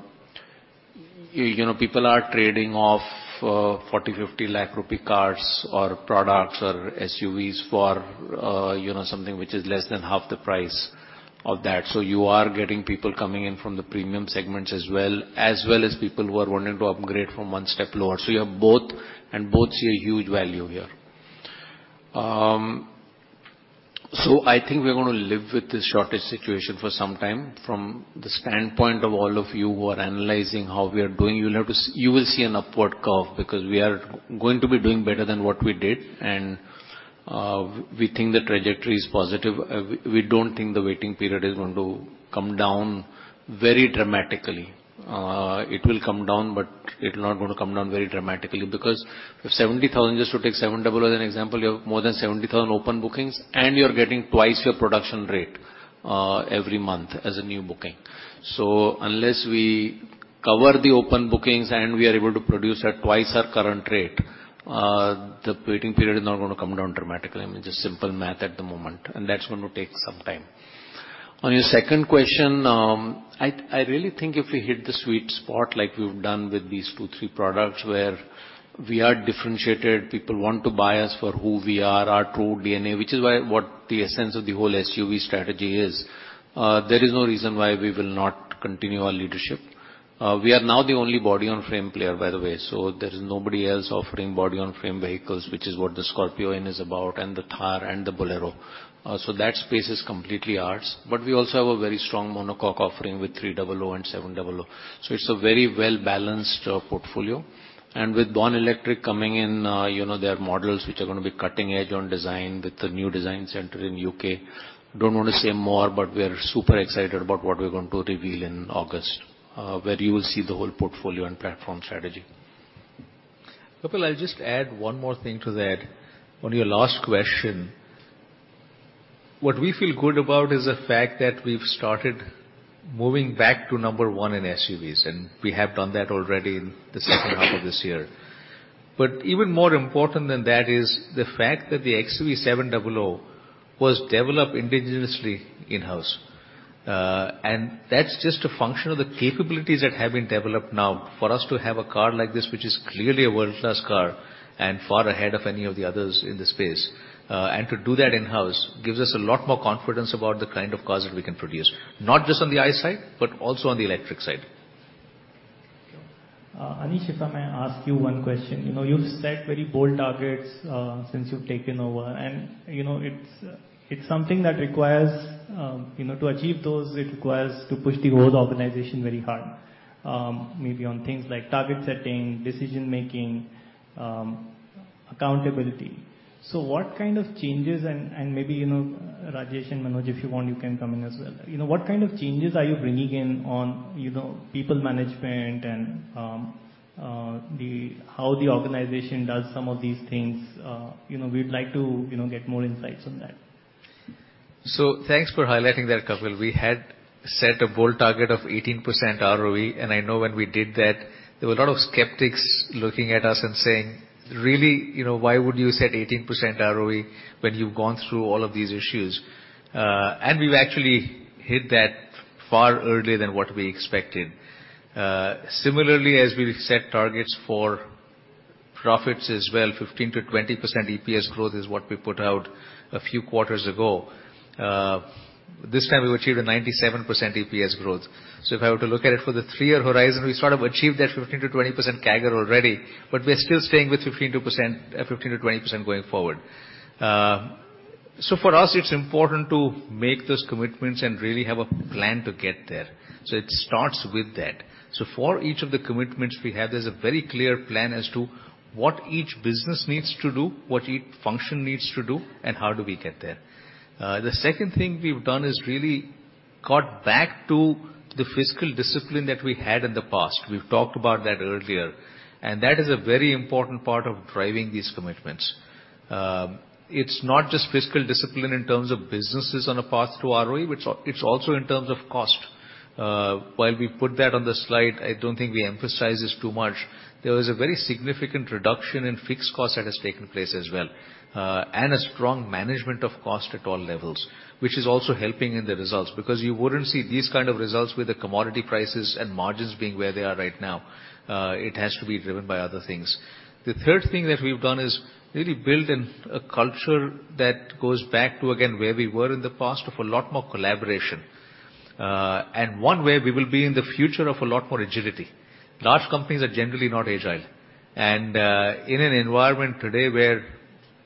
you know, people are trading off 40 lakh, 50 lakh rupee cars or products or SUVs for you know, something which is less than half the price of that. You are getting people coming in from the premium segments as well as people who are wanting to upgrade from one step lower. You have both, and both see a huge value here. I think we're gonna live with this shortage situation for some time. From the standpoint of all of you who are analyzing how we are doing, you will see an upward curve because we are going to be doing better than what we did. We think the trajectory is positive. We don't think the waiting period is going to come down very dramatically. It will come down, but it's not gonna come down very dramatically because if 70,000, just to take XUV700 as an example, you have more than 70,000 open bookings, and you're getting twice your production rate every month as a new booking. Unless we cover the open bookings and we are able to produce at twice our current rate, the waiting period is not gonna come down dramatically. I mean, just simple math at the moment, and that's going to take some time. On your second question, I really think if we hit the sweet spot like we've done with these two, three products where we are differentiated, people want to buy us for who we are, our true DNA, which is why what the essence of the whole SUV strategy is. There is no reason why we will not continue our leadership. We are now the only body-on-frame player, by the way, so there's nobody else offering body-on-frame vehicles, which is what the Scorpio-N is about, and the Thar, and the Bolero. So that space is completely ours. But we also have a very strong monocoque offering with 300 and 700. So it's a very well-balanced portfolio. With Born Electric coming in, you know, there are models which are gonna be cutting-edge on design with the new design center in U.K. Don't wanna say more, but we're super excited about what we're going to reveal in August, where you will see the whole portfolio and platform strategy. Kapil, I'll just add one more thing to that. On your last question, what we feel good about is the fact that we've started moving back to number one in SUVs, and we have done that already in the second half of this year. Even more important than that is the fact that the XUV700 was developed indigenously in-house. That's just a function of the capabilities that have been developed now. For us to have a car like this, which is clearly a world-class car and far ahead of any of the others in this space, and to do that in-house, gives us a lot more confidence about the kind of cars that we can produce, not just on the ICE side, but also on the electric side. Sure. Anish, if I may ask you one question. You know, you've set very bold targets since you've taken over and, you know, it's something that requires to achieve those, it requires to push the whole organization very hard, maybe on things like target setting, decision making, accountability. What kind of changes and maybe, you know, Rajesh and Manoj, if you want, you can come in as well. You know, what kind of changes are you bringing in on, you know, people management and how the organization does some of these things? You know, we'd like to get more insights on that. Thanks for highlighting that, Kapil. We had set a bold target of 18% ROE, and I know when we did that, there were a lot of skeptics looking at us and saying, "Really?" You know, "Why would you set 18% ROE when you've gone through all of these issues?" We've actually hit that far earlier than what we expected. Similarly, as we've set targets for profits as well, 15%-20% EPS growth is what we put out a few quarters ago. This time we've achieved a 97% EPS growth. If I were to look at it for the three year horizon, we sort of achieved that 15%-20% CAGR already, but we're still staying with 15%-20% going forward. For us, it's important to make those commitments and really have a plan to get there. It starts with that. For each of the commitments we have, there's a very clear plan as to what each business needs to do, what each function needs to do, and how do we get there. The second thing we've done is really got back to the fiscal discipline that we had in the past. We've talked about that earlier, and that is a very important part of driving these commitments. It's not just fiscal discipline in terms of businesses on a path to ROE, it's also in terms of cost. While we put that on the slide, I don't think we emphasized this too much. There was a very significant reduction in fixed cost that has taken place as well, and a strong management of cost at all levels, which is also helping in the results, because you wouldn't see these kind of results with the commodity prices and margins being where they are right now. It has to be driven by other things. The third thing that we've done is really build a culture that goes back to, again, where we were in the past of a lot more collaboration. One where we will be in the future of a lot more agility. Large companies are generally not agile, and in an environment today where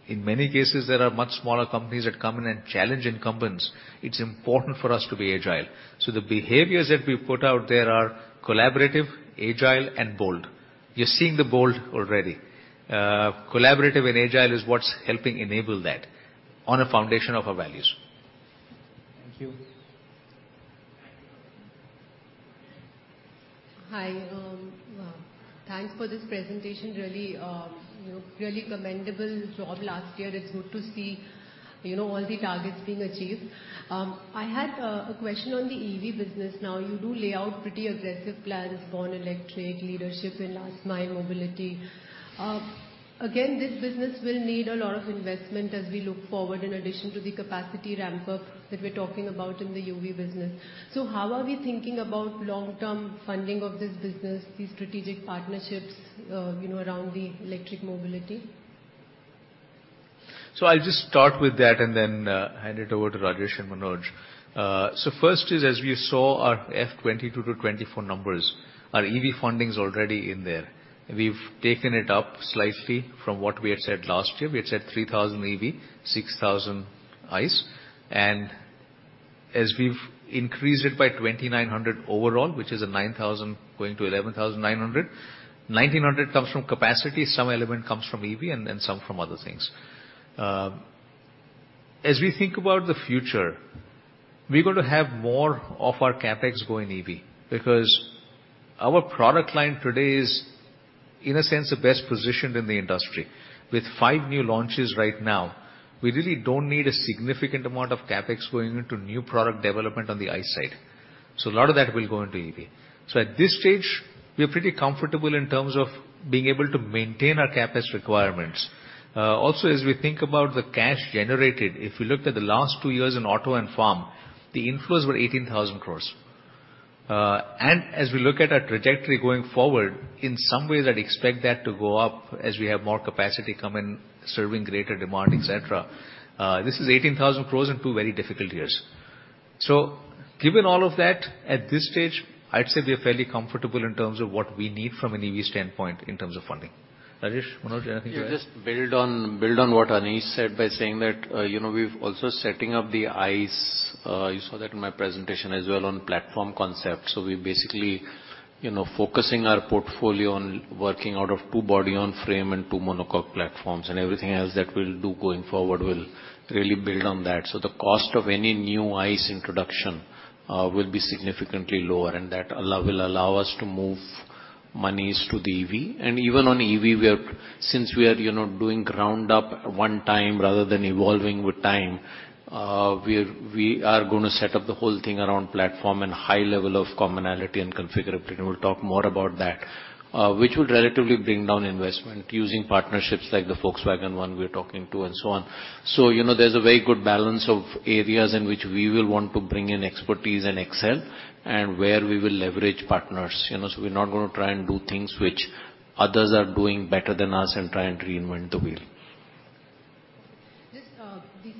in many cases there are much smaller companies that come in and challenge incumbents, it's important for us to be agile. The behaviors that we've put out there are collaborative, agile, and bold. You're seeing the bold already. Collaborative and agile is what's helping enable that on a foundation of our values. Thank you. Hi. Thanks for this presentation. Really, you know, really commendable job last year. It's good to see, you know, all the targets being achieved. I had a question on the EV business. Now, you do lay out pretty aggressive plans, Born Electric, leadership in last mile mobility. Again, this business will need a lot of investment as we look forward in addition to the capacity ramp up that we're talking about in the UV business. How are we thinking about long-term funding of this business, these strategic partnerships, you know, around the electric mobility? I'll just start with that and then hand it over to Rajesh and Manoj. First is, as we saw our FY 2022 to 2024 numbers, our EV funding's already in there. We've taken it up slightly from what we had said last year. We had said 3,000 EV, 6,000 ICE. We've increased it by 2,900 overall, which is a 9,000 going to 11,900, 1,900 comes from capacity, some element comes from EV, and some from other things. As we think about the future, we're going to have more of our CapEx go in EV because our product line today is, in a sense, the best positioned in the industry. With five new launches right now, we really don't need a significant amount of CapEx going into new product development on the ICE side. A lot of that will go into EV. At this stage, we're pretty comfortable in terms of being able to maintain our CapEx requirements. Also, as we think about the cash generated, if we looked at the last two years in auto and farm, the inflows were 18,000 crores. As we look at our trajectory going forward, in some ways, I'd expect that to go up as we have more capacity come in serving greater demand, et cetera. This is 18,000 crores in two very difficult years. Given all of that, at this stage, I'd say we are fairly comfortable in terms of what we need from an EV standpoint in terms of funding. Rajesh, Manoj, anything you want to add? To just build on what Anish said by saying that, you know, we're also setting up the ICE. You saw that in my presentation as well on platform concept. We basically, you know, focusing our portfolio on working out of two body on frame and two monocoque platforms, and everything else that we'll do going forward will really build on that. The cost of any new ICE introduction will be significantly lower and that will allow us to move monies to the EV. Even on EV, we are, since we are, you know, doing ground up one time rather than evolving with time, we are gonna set up the whole thing around platform and high level of commonality and configurability, and we'll talk more about that, which would relatively bring down investment using partnerships like the Volkswagen one we are talking to and so on. You know, there's a very good balance of areas in which we will want to bring in expertise and excel and where we will leverage partners, you know. We're not gonna try and do things which others are doing better than us and try and reinvent the wheel.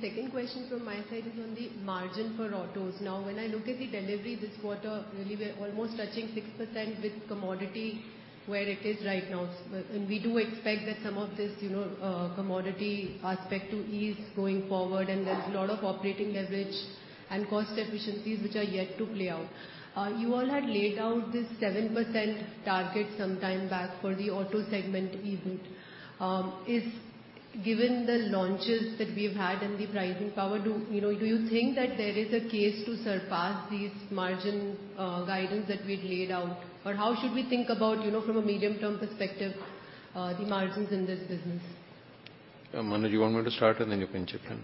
Just, the second question from my side is on the margin for autos. Now, when I look at the delivery this quarter, really we're almost touching 6% with commodity where it is right now. And we do expect that some of this, you know, commodity aspect to ease going forward, and there's a lot of operating leverage and cost efficiencies which are yet to play out. You all had laid out this 7% target sometime back for the auto segment EV. Given the launches that we've had and the pricing power, you know, do you think that there is a case to surpass these margin guidance that we'd laid out? Or how should we think about, you know, from a medium-term perspective, the margins in this business? Manoj, you want me to start and then you can chip in?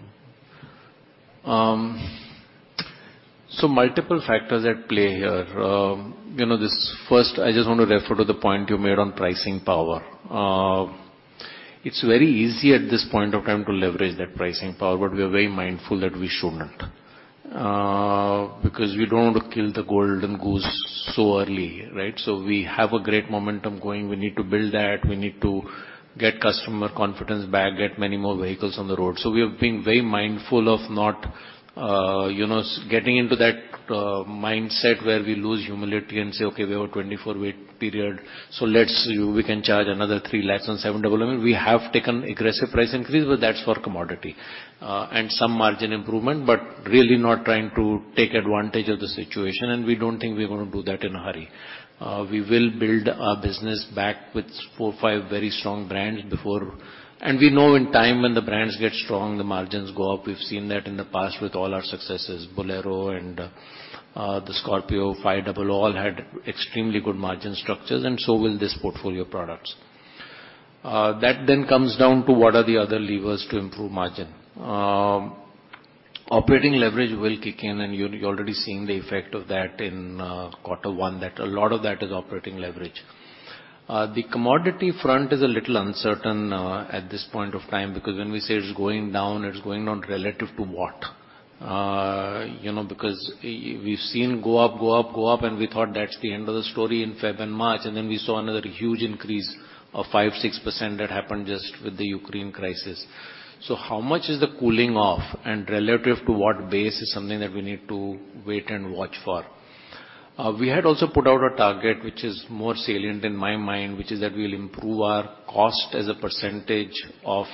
Multiple factors at play here. You know, this, first, I just want to refer to the point you made on pricing power. It's very easy at this point of time to leverage that pricing power, but we are very mindful that we shouldn't, because we don't want to kill the golden goose so early, right? We have a great momentum going. We need to build that. We need to get customer confidence back, get many more vehicles on the road. We are being very mindful of not, you know, getting into that mindset where we lose humility and say, "Okay, we have a 24-week period, so we can charge another 3 lakh on XUV700." We have taken aggressive price increase, but that's for commodities and some margin improvement, but really not trying to take advantage of the situation, and we don't think we're gonna do that in a hurry. We will build our business back with four or five very strong brands before. We know in time when the brands get strong, the margins go up. We've seen that in the past with all our successes. Bolero and the Scorpio all had extremely good margin structures, and so will this portfolio of products. That then comes down to what are the other levers to improve margin? Operating leverage will kick in, and you're already seeing the effect of that in quarter one, that a lot of that is operating leverage. The commodity front is a little uncertain at this point of time, because when we say it's going down, it's going down relative to what? You know, because we've seen go up, and we thought that's the end of the story in Feb and March, and then we saw another huge increase of 5-6% that happened just with the Ukraine crisis. How much is the cooling off, and relative to what base is something that we need to wait and watch for. We had also put out a target which is more salient in my mind, which is that we'll improve our cost as a percentage of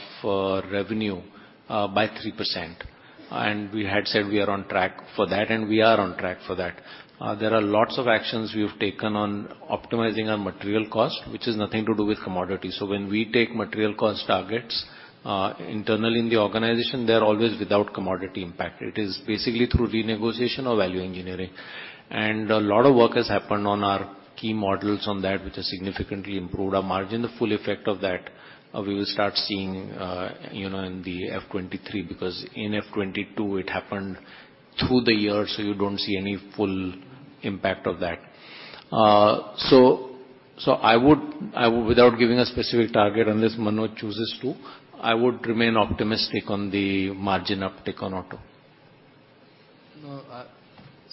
revenue by 3%. We had said we are on track for that. There are lots of actions we have taken on optimizing our material cost, which is nothing to do with commodity. When we take material cost targets internally in the organization, they're always without commodity impact. It is basically through renegotiation or value engineering. A lot of work has happened on our key modules on that, which has significantly improved our margin. The full effect of that we will start seeing, you know, in the FY 2023, because in FY 2022, it happened through the year, so you don't see any full impact of that. I would, without giving a specific target, unless Manoj chooses to, I would remain optimistic on the margin uptick on auto. No, I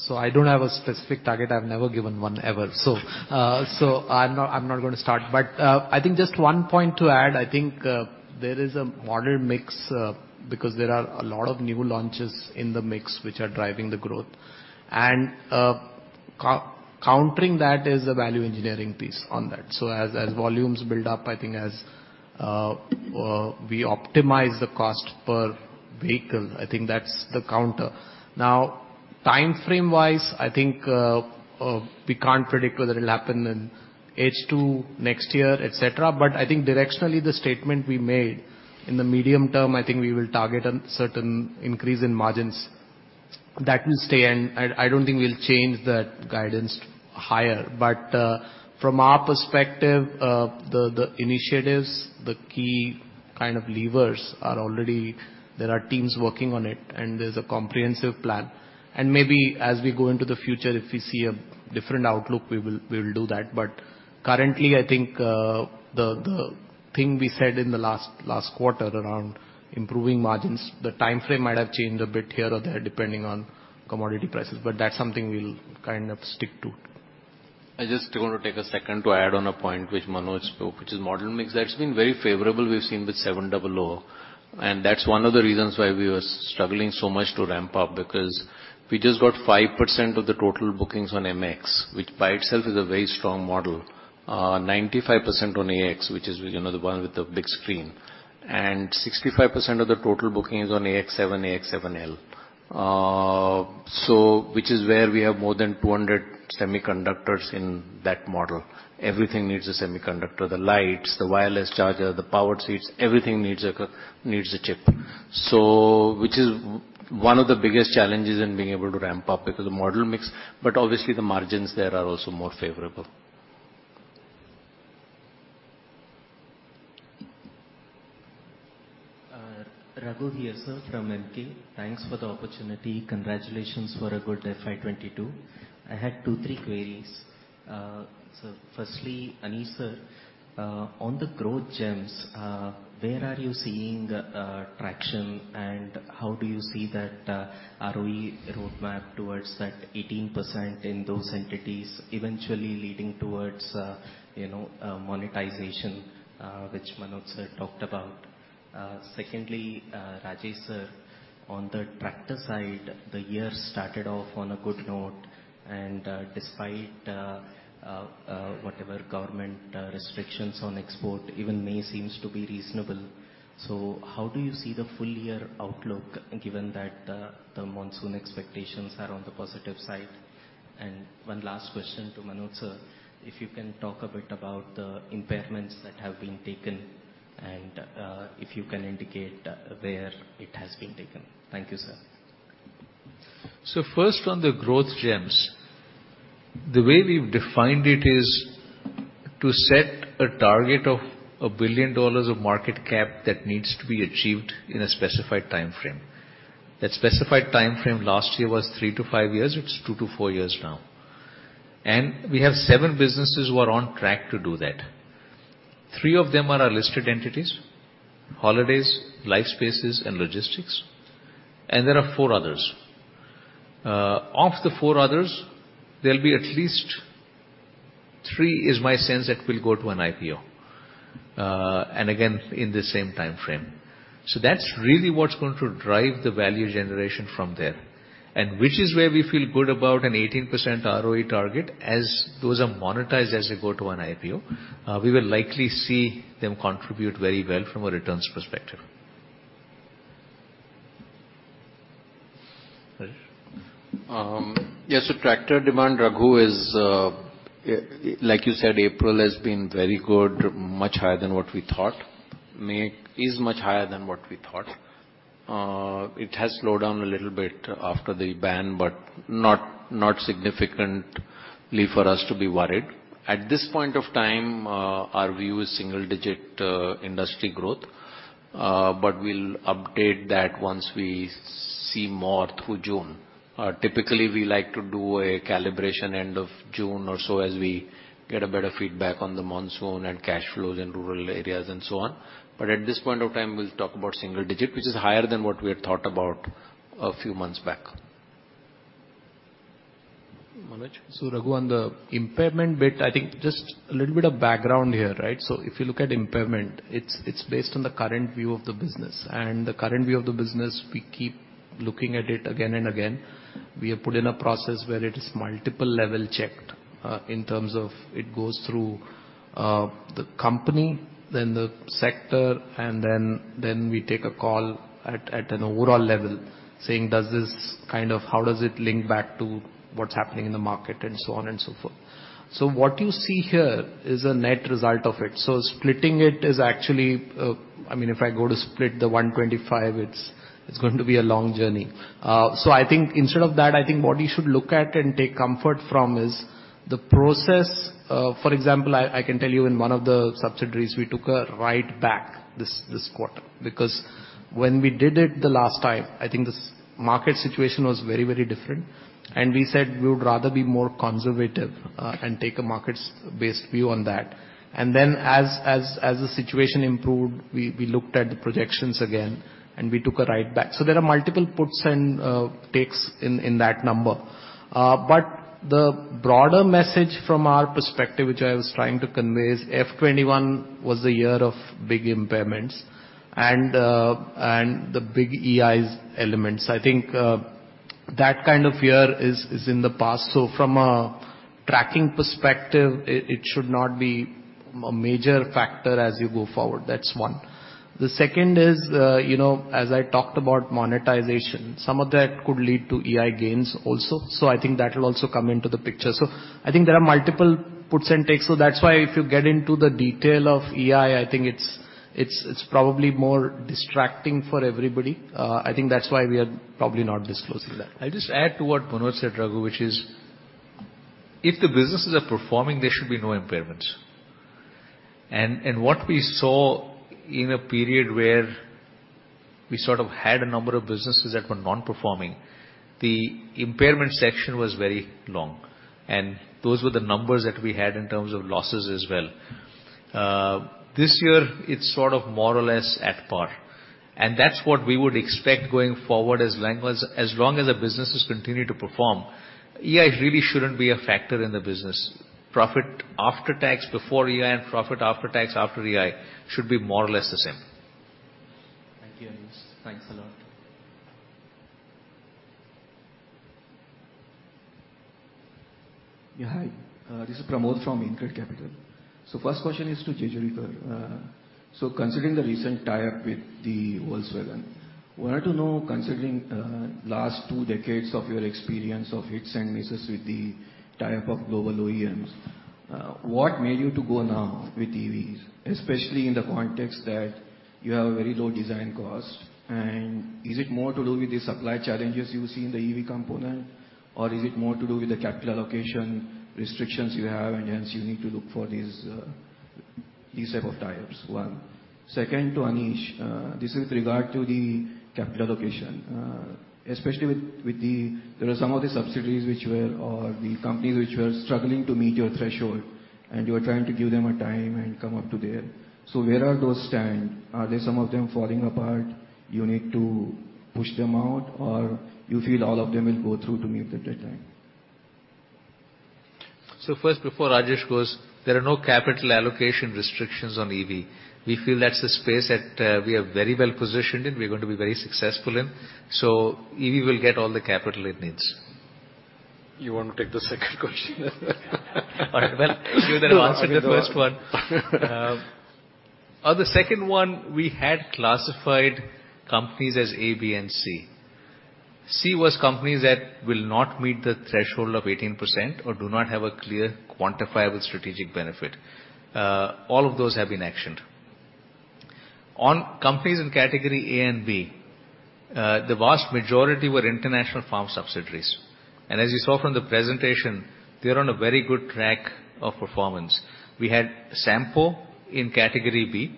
don't have a specific target. I've never given one ever. I'm not gonna start. I think just one point to add, I think, there is a model mix, because there are a lot of new launches in the mix which are driving the growth. Countering that is the value engineering piece on that. As volumes build up, I think we optimize the cost per vehicle, I think that's the counter. Now, timeframe-wise, I think, we can't predict whether it'll happen in H2 next year, et cetera, but I think directionally the statement we made in the medium term, I think we will target a certain increase in margins. That will stay, and I don't think we'll change that guidance higher. From our perspective, the initiatives, the key kind of levers are already there. There are teams working on it and there's a comprehensive plan. Maybe as we go into the future, if we see a different outlook, we will do that. Currently, I think, the thing we said in the last quarter around improving margins, the timeframe might have changed a bit here or there depending on commodity prices, but that's something we'll kind of stick to. I just want to take a second to add on a point which Manoj spoke, which is model mix. That's been very favorable. We've seen the XUV700. That's one of the reasons why we were struggling so much to ramp up because we just got 5% of the total bookings on MX, which by itself is a very strong model. 95% on AX, which is, you know, the one with the big screen, and 65% of the total booking is on AX7 L. Which is where we have more than 200 semiconductors in that model. Everything needs a semiconductor. The lights, the wireless charger, the power seats, everything needs a chip. Which is one of the biggest challenges in being able to ramp up because the model mix, but obviously the margins there are also more favorable. Raghu here, sir, from Nuvama. Thanks for the opportunity. Congratulations for a good FY 2022. I had two, three queries. Firstly, Anish, sir, on the growth gems, where are you seeing traction, and how do you see that ROE roadmap towards that 18% in those entities eventually leading towards, you know, monetization, which Manoj sir talked about? Secondly, Rajesh sir, on the tractor side, the year started off on a good note, and despite whatever government restrictions on export, even May seems to be reasonable. How do you see the full year outlook given that the monsoon expectations are on the positive side? One last question to Manoj, sir. If you can talk a bit about the impairments that have been taken and if you can indicate where it has been taken. Thank you, sir. First on the growth gems, the way we've defined it is to set a target of $1 billion of market cap that needs to be achieved in a specified time frame. That specified time frame last year was three to five years. It's two to four years now. We have seven businesses who are on track to do that. Three of them are our listed entities, Holidays, Lifespaces, and Logistics, and there are four others. Of the four others, there'll be at least three, is my sense, that will go to an IPO, and again, in the same time frame. That's really what's going to drive the value generation from there. Which is where we feel good about an 18% ROE target. As those are monetized as they go to an IPO, we will likely see them contribute very well from a returns perspective. Rajesh. Yes. Tractor demand, Raghu, is like you said. April has been very good, much higher than what we thought. May is much higher than what we thought. It has slowed down a little bit after the ban, but not significantly for us to be worried. At this point of time, our view is single-digit industry growth, but we'll update that once we see more through June. Typically, we like to do a calibration end of June or so as we get a better feedback on the monsoon and cash flows in rural areas and so on. At this point of time, we'll talk about single digit, which is higher than what we had thought about a few months back. Manoj. Raghu, on the impairment bit, I think just a little bit of background here, right? If you look at impairment, it's based on the current view of the business. The current view of the business, we keep looking at it again and again. We have put in a process where it is multiple level checked, in terms of it goes through the company, then the sector, and then we take a call at an overall level saying how does it link back to what's happening in the market and so on and so forth. What you see here is a net result of it. Splitting it is actually, I mean, if I go to split the 125, it's going to be a long journey. I think instead of that, I think what you should look at and take comfort from is the process. For example, I can tell you in one of the subsidiaries, we took a write-back this quarter, because when we did it the last time, I think the market situation was very different. We said we would rather be more conservative and take a market-based view on that. As the situation improved, we looked at the projections again, and we took a write-back. There are multiple puts and takes in that number. The broader message from our perspective, which I was trying to convey, is FY21 was the year of big impairments and the big EI elements. I think that kind of year is in the past. From a tracking perspective, it should not be a major factor as you go forward. That's one. The second is, you know, as I talked about monetization, some of that could lead to EI gains also. I think that will also come into the picture. I think there are multiple puts and takes. That's why if you get into the detail of EI, I think it's probably more distracting for everybody. I think that's why we are probably not disclosing that. I'll just add to what Manoj said, Raghu, which is if the businesses are performing, there should be no impairments. What we saw in a period where we sort of had a number of businesses that were non-performing, the impairment section was very long, and those were the numbers that we had in terms of losses as well. This year it's sort of more or less at par, and that's what we would expect going forward as long as the businesses continue to perform. EI really shouldn't be a factor in the business. Profit after tax, before EI, and profit after tax after EI should be more or less the same. Thank you, Anish. Thanks a lot. Yeah, hi. This is Pramod from InCred Capital. First question is to Rajesh Jejurikar. Considering the recent tie-up with the Volkswagen, wanted to know, considering last two decades of your experience of hits and misses with the tie-up of global OEMs, what made you to go now with EVs? Especially in the context that you have a very low design cost. Is it more to do with the supply challenges you see in the EV component? Or is it more to do with the capital allocation restrictions you have, and hence you need to look for these type of tie-ups? One. Second, to Anish, this is with regard to the capital allocation. Especially with the subsidiaries which were... For the companies which were struggling to meet your threshold, and you were trying to give them a time and come up to there. Where do those stand? Are there some of them falling apart, you need to push them out? Or you feel all of them will go through to meet the deadline? First, before Rajesh goes, there are no capital allocation restrictions on EV. We feel that's a space that, we are very well-positioned in, we're going to be very successful in. EV will get all the capital it needs. You want to take the second question? All right. Well, you then answered the first one. On the second one, we had classified companies as A, B, and C. C was companies that will not meet the threshold of 18% or do not have a clear quantifiable strategic benefit. All of those have been actioned. On companies in category A and B, the vast majority were international farm subsidiaries. As you saw from the presentation, they're on a very good track of performance. We had Sampo in category B.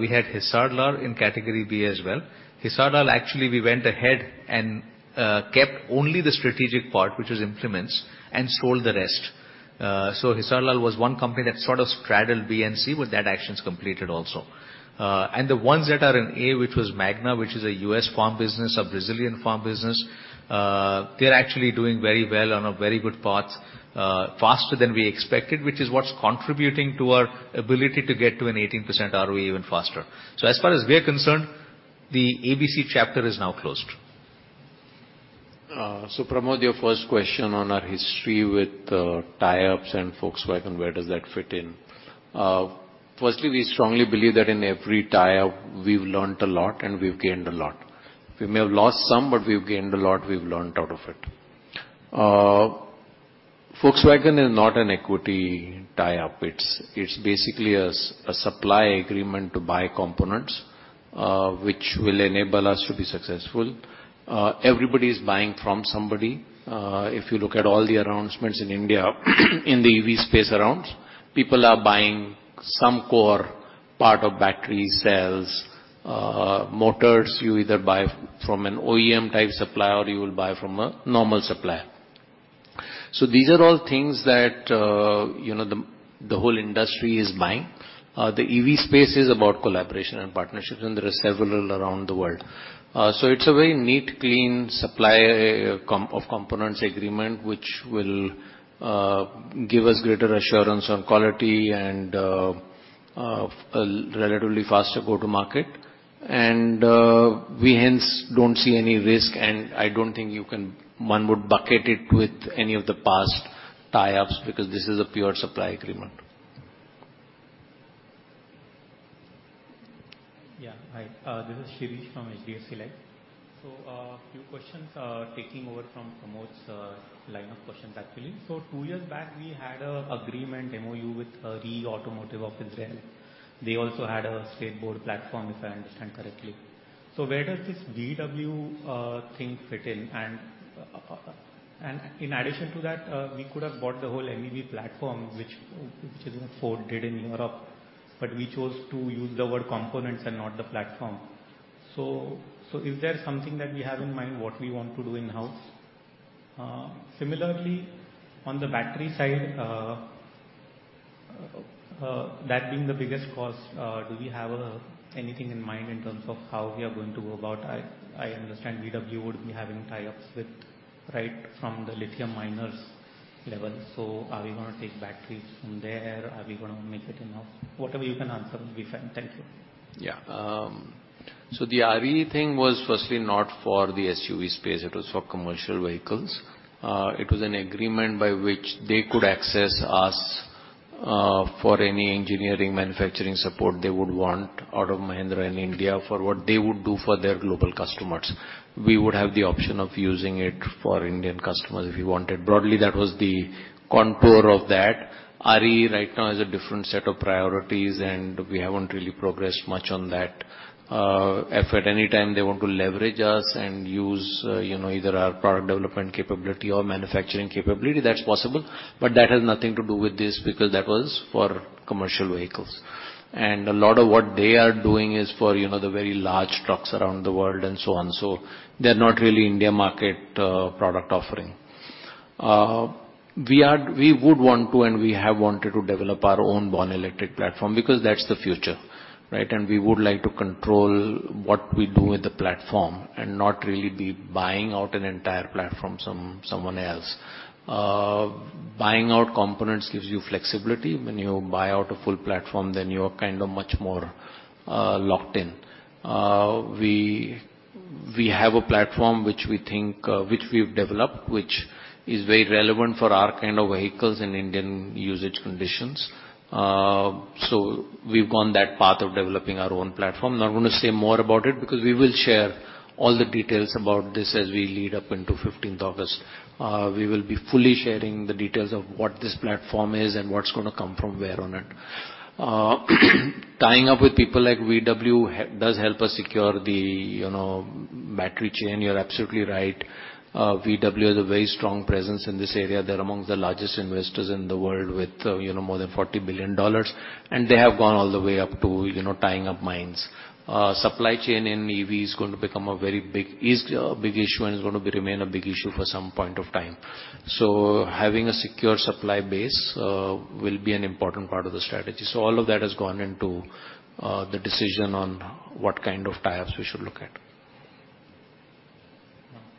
We had Hisarlar in category B as well. Hisarlar, actually, we went ahead and kept only the strategic part, which was implements, and sold the rest. Hisarlar was one company that sort of straddled B and C, but that action's completed also. The ones that are in A, which was MagNA, which is a U.S. farm business, a Brazilian farm business, they're actually doing very well on a very good path, faster than we expected, which is what's contributing to our ability to get to an 18% ROE even faster. As far as we're concerned, the ABC chapter is now closed. Pramod, your first question on our history with tie-ups and Volkswagen, where does that fit in? Firstly, we strongly believe that in every tie-up we've learned a lot and we've gained a lot. We may have lost some, but we've gained a lot, we've learned out of it. Volkswagen is not an equity tie-up. It's basically a supply agreement to buy components, which will enable us to be successful. Everybody's buying from somebody. If you look at all the announcements in India, in the EV space, announcements, people are buying some core part of battery cells. Motors, you either buy from an OEM type supplier, or you will buy from a normal supplier. These are all things that, you know, the whole industry is buying. The EV space is about collaboration and partnerships, and there are several around the world. It's a very neat, clean supply of components agreement, which will give us greater assurance on quality and relatively faster go to market. We hence don't see any risk, and I don't think you can. One would bucket it with any of the past tie-ups, because this is a pure supply agreement. Yeah. Hi, this is Shirish from HDFC Life. Few questions taking over from Pramod's line of questions actually. Two years back we had an agreement MOU with REE Automotive of Israel. They also had a skateboard platform, if I understand correctly. Where does this VW thing fit in? In addition to that, we could have bought the whole MEB platform, which is what Ford did in Europe, but we chose to use the word components and not the platform. Is there something that we have in mind what we want to do in-house? Similarly on the battery side, that being the biggest cost, do we have anything in mind in terms of how we are going to go about? I understand VW would be having tie-ups with right from the lithium miners level. Are we gonna take batteries from there? Are we gonna make it in-house? Whatever you can answer will be fine. Thank you. Yeah. The REE thing was firstly not for the SUV space, it was for commercial vehicles. It was an agreement by which they could access us for any engineering, manufacturing support they would want out of Mahindra in India for what they would do for their global customers. We would have the option of using it for Indian customers if we wanted. Broadly, that was the contour of that. REE right now has a different set of priorities, and we haven't really progressed much on that effort. Any time they want to leverage us and use, you know, either our product development capability or manufacturing capability, that's possible. But that has nothing to do with this, because that was for commercial vehicles. A lot of what they are doing is for, you know, the very large trucks around the world and so on. They're not really Indian market product offering. We would want to, and we have wanted to develop our own Born Electric platform because that's the future, right? We would like to control what we do with the platform and not really be buying out an entire platform someone else. Buying out components gives you flexibility. When you buy out a full platform, then you are kind of much more locked in. We have a platform which we think which we've developed, which is very relevant for our kind of vehicles in Indian usage conditions. We've gone that path of developing our own platform. Not gonna say more about it because we will share all the details about this as we lead up into fifteenth August. We will be fully sharing the details of what this platform is and what's gonna come from where on it. Tying up with people like Volkswagen does help us secure the, you know, battery chain. You're absolutely right. Volkswagen has a very strong presence in this area. They're amongst the largest investors in the world with, you know, more than $40 billion, and they have gone all the way up to, you know, tying up mines. Supply chain in EV is going to become a very big issue and is gonna remain a big issue for some point of time. Having a secure supply base will be an important part of the strategy. All of that has gone into the decision on what kind of tie-ups we should look at.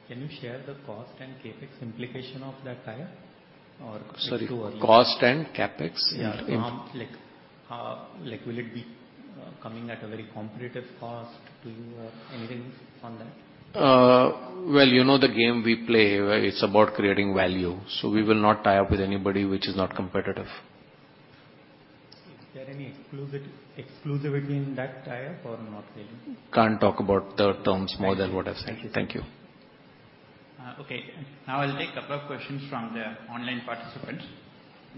Can you share the cost and CapEx implication of that tie-up? Or is it too early? Sorry, cost and CapEx. Yeah, like, will it be coming at a very competitive cost to you or anything on that? Well, you know the game we play, where it's about creating value, so we will not tie up with anybody which is not competitive. Is there any exclusivity in that tie-up or not really? Can't talk about the terms more than what I've said. Thank you, sir. Thank you. Okay. Now I'll take a couple of questions from the online participants.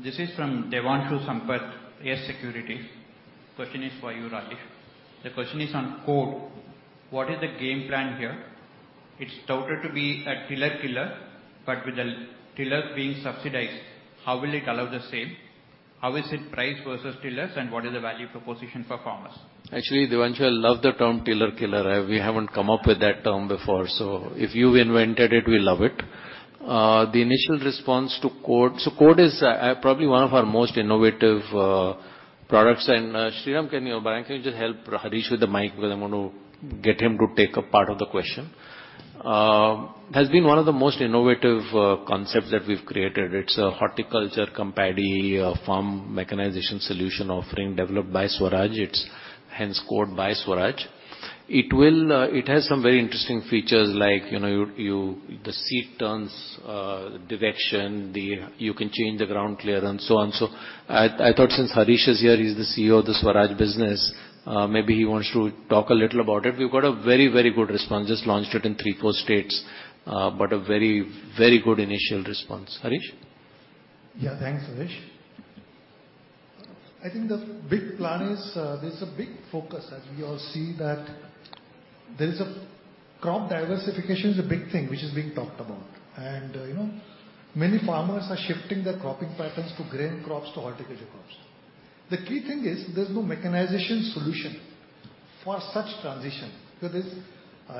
This is from Devanshu Sampat, Axis Securities. Question is for you, Rajeev. The question is on KUV100. What is the game plan here? It's touted to be a tiller killer, but with the tillers being subsidized, how will it allow the same? How is it priced versus tillers and what is the value proposition for farmers? Actually, Devanshu, I love the term tiller killer. We haven't come up with that term before. If you invented it, we love it. The initial response to KUV100 has been one of the most innovative concepts that we've created. It's a horticulture-compatible farm mechanization solution offering developed by Swaraj. It's hence CODE by Swaraj. It has some very interesting features like the seat turns direction. You can change the ground clearance and so on. I thought since Harish is here, he's the CEO of the Swaraj business, maybe he wants to talk a little about it. We've got a very, very good response. Just launched it in 3, 4 states, but a very, very good initial response. Harish? Yeah. Thanks, Anish. I think the big plan is, there's a big focus as we all see that there is a crop diversification is a big thing which is being talked about. You know, many farmers are shifting their cropping patterns to grain crops, to horticulture crops. The key thing is there's no mechanization solution for such transition. Because there's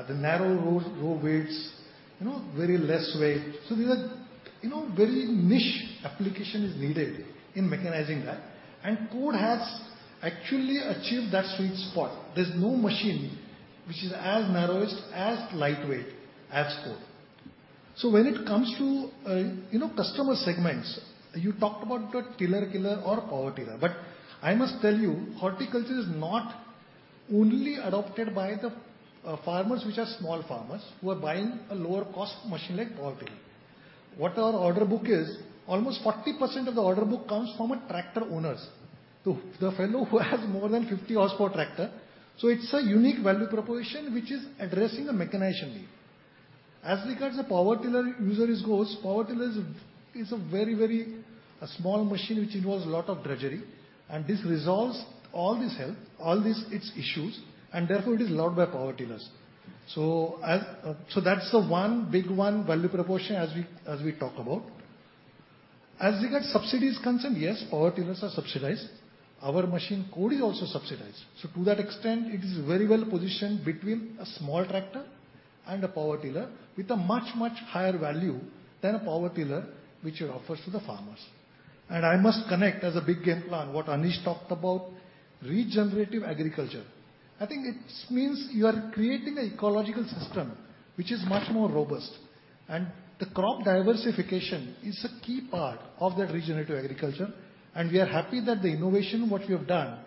the narrow row widths, you know, very less weight. These are very niche application is needed in mechanizing that. And KUV100 has actually achieved that sweet spot. There's no machine which is as narrow as lightweight as KUV100. When it comes to, you know, customer segments, you talked about the tiller killer or power tiller, but I must tell you, horticulture is not only adopted by the farmers which are small farmers who are buying a lower cost machine like power tiller. What our order book is, almost 40% of the order book comes from tractor owners. The fellow who has more than 50 horsepower tractor. It's a unique value proposition which is addressing a mechanization need. As regards the power tiller user is goes, power tiller is a very, very small machine which involves a lot of drudgery, and this resolves all this health, all these, its issues, and therefore it is loved by power tillers. That's the one, big one value proposition as we talk about. As regards subsidy is concerned, yes, power tillers are subsidized. Our machine KUV100 is also subsidized. To that extent, it is very well positioned between a small tractor and a power tiller with a much, much higher value than a power tiller, which it offers to the farmers. I must connect as a big game plan what Anish talked about regenerative agriculture. I think it means you are creating an ecological system which is much more robust. The crop diversification is a key part of that regenerative agriculture, and we are happy that the innovation, what we have done,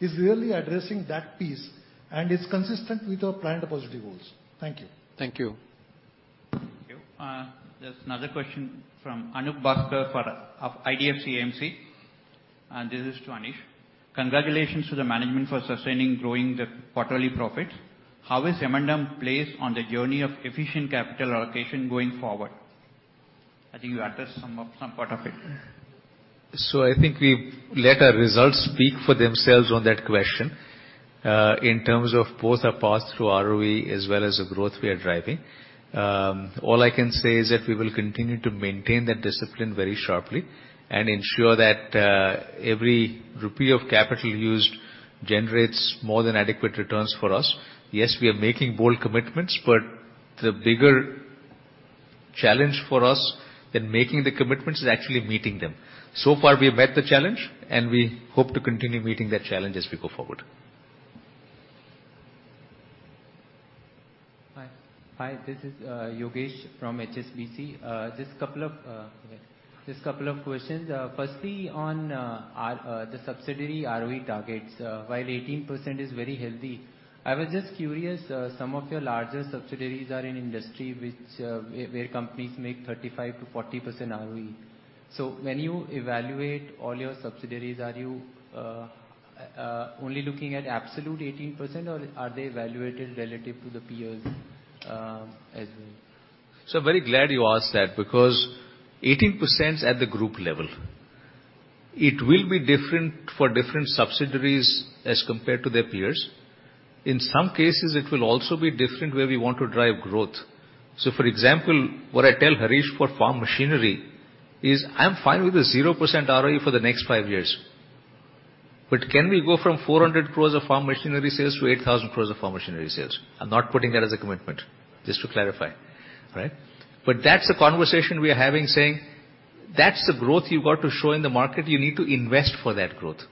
is really addressing that piece and it's consistent with our planet positive goals. Thank you. Thank you. Thank you. There's another question from Anoop Bhaskar of IDFC AMC, and this is to Anish. Congratulations to the management for sustaining growing the quarterly profits. How is M&M placed on the journey of efficient capital allocation going forward? I think you addressed some part of it. I think we let our results speak for themselves on that question, in terms of both our path through ROE as well as the growth we are driving. All I can say is that we will continue to maintain that discipline very sharply and ensure that, every rupee of capital used generates more than adequate returns for us. Yes, we are making bold commitments, but the bigger challenge for us in making the commitments is actually meeting them. So far, we have met the challenge, and we hope to continue meeting that challenge as we go forward. Hi, this is Yogesh from HSBC. Just couple of questions. Firstly, on the subsidiary ROE targets. While 18% is very healthy, I was just curious, some of your larger subsidiaries are in industries where companies make 35%-40% ROE. When you evaluate all your subsidiaries, are you only looking at absolute 18%, or are they evaluated relative to the peers, as well? Very glad you asked that because 18% is at the group level. It will be different for different subsidiaries as compared to their peers. In some cases, it will also be different where we want to drive growth. For example, what I tell Harish for farm machinery is I'm fine with a 0% ROE for the next five years. Can we go from 400 crore of farm machinery sales to 8,000 crore of farm machinery sales? I'm not putting that as a commitment, just to clarify, right? That's the conversation we are having, saying, "That's the growth you've got to show in the market. You need to invest for that growth."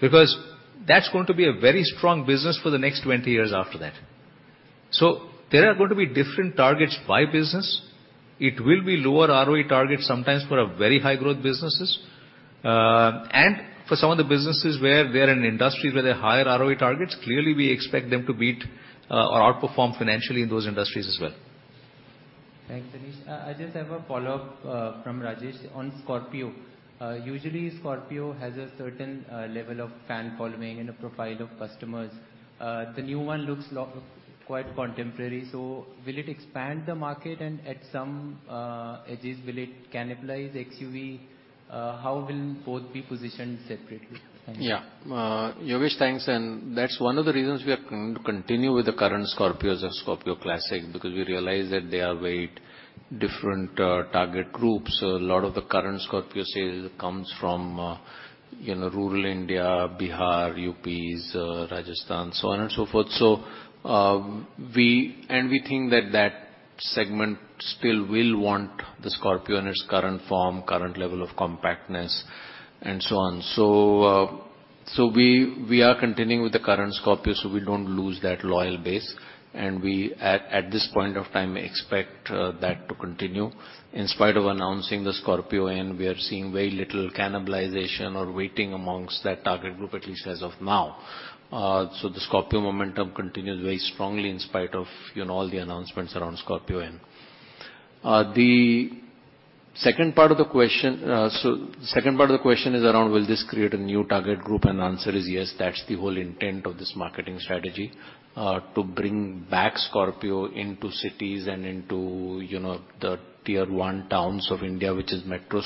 Because that's going to be a very strong business for the next 20 years after that. There are going to be different targets by business. It will be lower ROE targets sometimes for our very high growth businesses. For some of the businesses where they're in industries where there are higher ROE targets, clearly we expect them to beat or outperform financially in those industries as well. Thanks, Anish. I just have a follow-up from Rajesh on Scorpio. Usually Scorpio has a certain level of fan following and a profile of customers. The new one looks quite contemporary, so will it expand the market? At some edges, will it cannibalize XUV? How will both be positioned separately? Thanks. Yeah. Yogesh, thanks, and that's one of the reasons we are going to continue with the current Scorpios and Scorpio Classic, because we realize that they are very different target groups. A lot of the current Scorpio sales comes from, you know, rural India, Bihar, UP, Rajasthan, so on and so forth. We think that that segment still will want the Scorpio in its current form, current level of compactness, and so on. We are continuing with the current Scorpio so we don't lose that loyal base. We at this point of time expect that to continue. In spite of announcing the Scorpio-N, we are seeing very little cannibalization or waiting amongst that target group, at least as of now. The Scorpio momentum continues very strongly in spite of, you know, all the announcements around Scorpio-N. The second part of the question is around will this create a new target group, and the answer is yes. That's the whole intent of this marketing strategy to bring back Scorpio into cities and into, you know, the tier one towns of India, which is metro.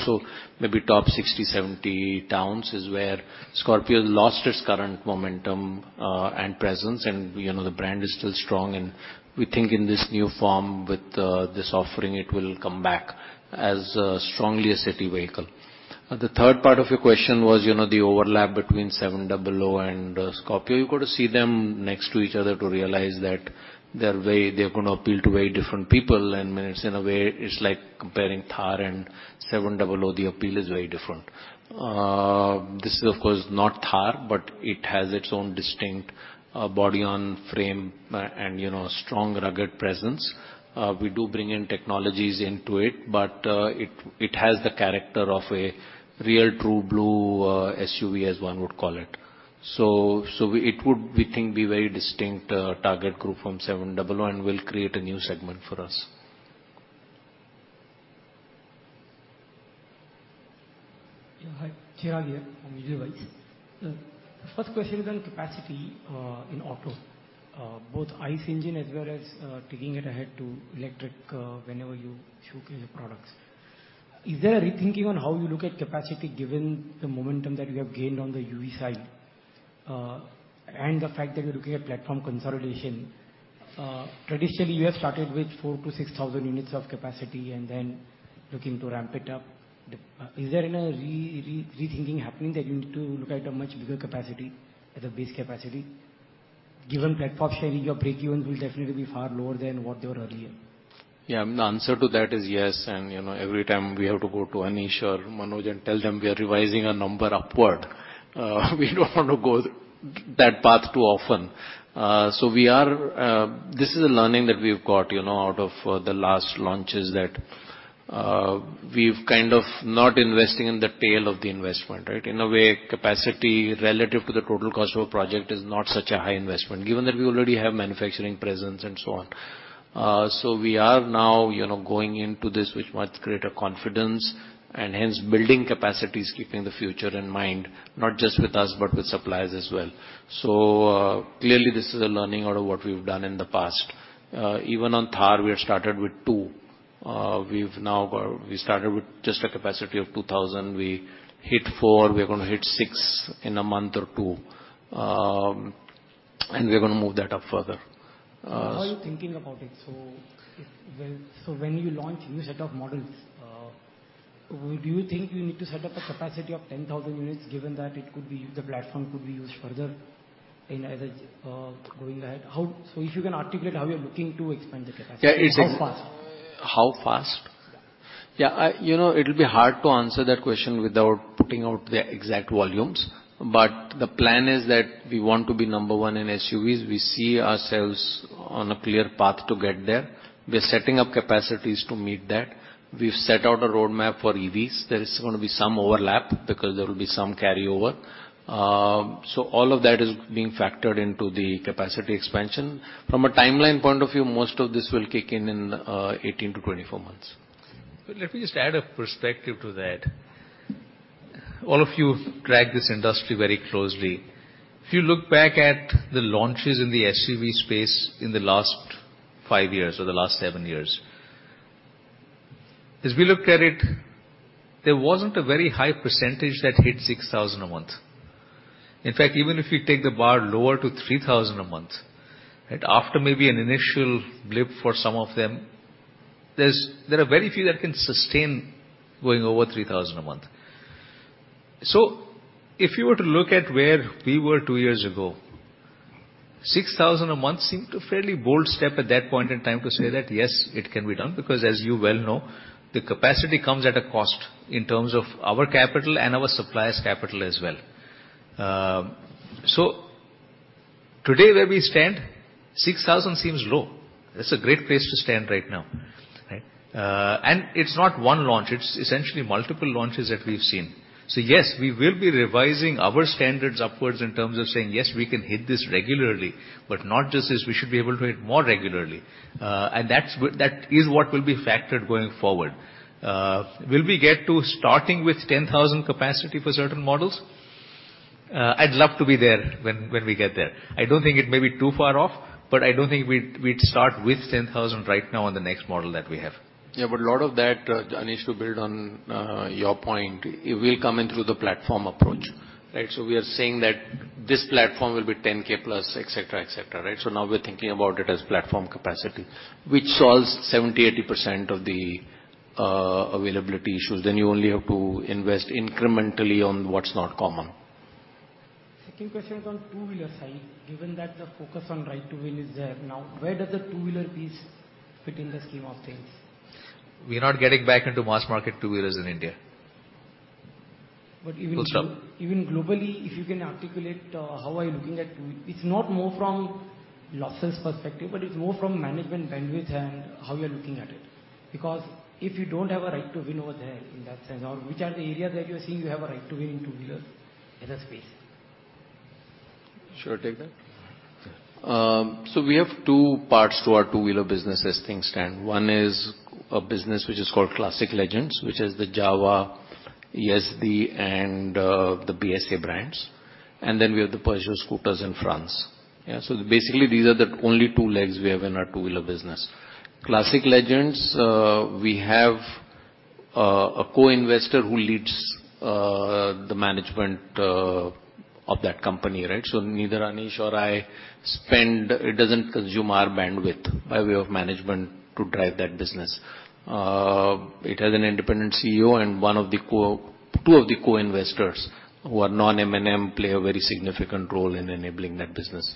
Maybe top 60-70 towns is where Scorpio lost its current momentum and presence. You know, the brand is still strong. We think in this new form with this offering, it will come back as strongly a city vehicle. The third part of your question was, you know, the overlap between 700 and Scorpio. You've got to see them next to each other to realize that they're very. They're gonna appeal to very different people. In a way, it's like comparing Thar and 700. The appeal is very different. This is of course not Thar, but it has its own distinct body-on-frame and, you know, strong, rugged presence. We do bring in technologies into it, but it has the character of a real true-blue SUV, as one would call it. It would, we think, be very distinct target group from 700 and will create a new segment for us. Yeah, hi. Chirag here from UBI. First question is on capacity in auto. Both ICE engine as well as taking it ahead to electric, whenever you showcase your products. Is there a rethinking on how you look at capacity given the momentum that you have gained on the EV side, and the fact that you're looking at platform consolidation? Traditionally you have started with 4-6,000 units of capacity and then looking to ramp it up. Is there a rethinking happening that you need to look at a much bigger capacity as a base capacity? Given platform sharing, your break-evens will definitely be far lower than what they were earlier. Yeah. The answer to that is yes. You know, every time we have to go to Anish or Manoj and tell them we are revising a number upward, we don't want to go that path too often. This is a learning that we've got, you know, out of the last launches that we've kind of not investing in the tail of the investment, right? In a way, capacity relative to the total cost of a project is not such a high investment, given that we already have manufacturing presence and so on. We are now, you know, going into this with much greater confidence and hence building capacities keeping the future in mind, not just with us, but with suppliers as well. Clearly this is a learning out of what we've done in the past. Even on Thar, we had started with two. We've now got. We started with just a capacity of 2,000. We hit four. We are gonna hit six in a month or two. We're gonna move that up further. How are you thinking about it? When you launch new set of models, do you think you need to set up a capacity of 10,000 units, given that the platform could be used further in Asia going ahead? If you can articulate how you're looking to expand the capacity? Yeah. How fast? How fast? Yeah. Yeah. You know, it'll be hard to answer that question without putting out the exact volumes. The plan is that we want to be number one in SUVs. We see ourselves on a clear path to get there. We're setting up capacities to meet that. We've set out a roadmap for EVs. There is gonna be some overlap because there will be some carryover. All of that is being factored into the capacity expansion. From a timeline point of view, most of this will kick in in 18-24 months. Let me just add a perspective to that. All of you track this industry very closely. If you look back at the launches in the SUV space in the last five years or the last seven years, as we looked at it, there wasn't a very high percentage that hit 6,000 a month. In fact, even if you take the bar lower to 3,000 a month, right? After maybe an initial blip for some of them, there are very few that can sustain going over 3,000 a month. If you were to look at where we were two years ago, 6,000 a month seemed a fairly bold step at that point in time to say that, yes, it can be done because as you well know, the capacity comes at a cost in terms of our capital and our suppliers' capital as well. Today, where we stand, 6,000 seems low. That's a great place to stand right now, right? And it's not one launch, it's essentially multiple launches that we've seen. Yes, we will be revising our standards upwards in terms of saying, "Yes, we can hit this regularly," but not just this. We should be able to hit more regularly. That's what will be factored going forward. Will we get to starting with 10,000 capacity for certain models? I'd love to be there when we get there. I don't think it may be too far off, but I don't think we'd start with 10,000 right now on the next model that we have. Yeah, but a lot of that, Anish, to build on your point, it will come in through the platform approach, right? We are saying that this platform will be 10K plus, et cetera, et cetera, right? Now we're thinking about it as platform capacity, which solves 70-80% of the availability issues. Then you only have to invest incrementally on what's not common. Second question is on two-wheeler side. Given that the focus on right to win is there now, where does the two-wheeler piece fit in the scheme of things? We are not getting back into mass market two-wheelers in India. But even- Full stop. Even globally, if you can articulate, how are you looking at two-wheeler? It's not more from losses perspective, but it's more from management bandwidth and how you are looking at it. Because if you don't have a right to win over there in that sense, or which are the areas that you are seeing you have a right to win in two-wheelers in that space? Should I take that? Sure. We have two parts to our two-wheeler business as things stand. One is a business which is called Classic Legends, which is the Jawa, Yezdi, and the BSA brands. Then we have the Peugeot scooters in France. Yeah, basically these are the only two legs we have in our two-wheeler business. Classic Legends, we have a co-investor who leads the management of that company, right? Neither Anish or I spend. It doesn't consume our bandwidth by way of management to drive that business. It has an independent CEO and two of the co-investors, who are non-M&M, play a very significant role in enabling that business.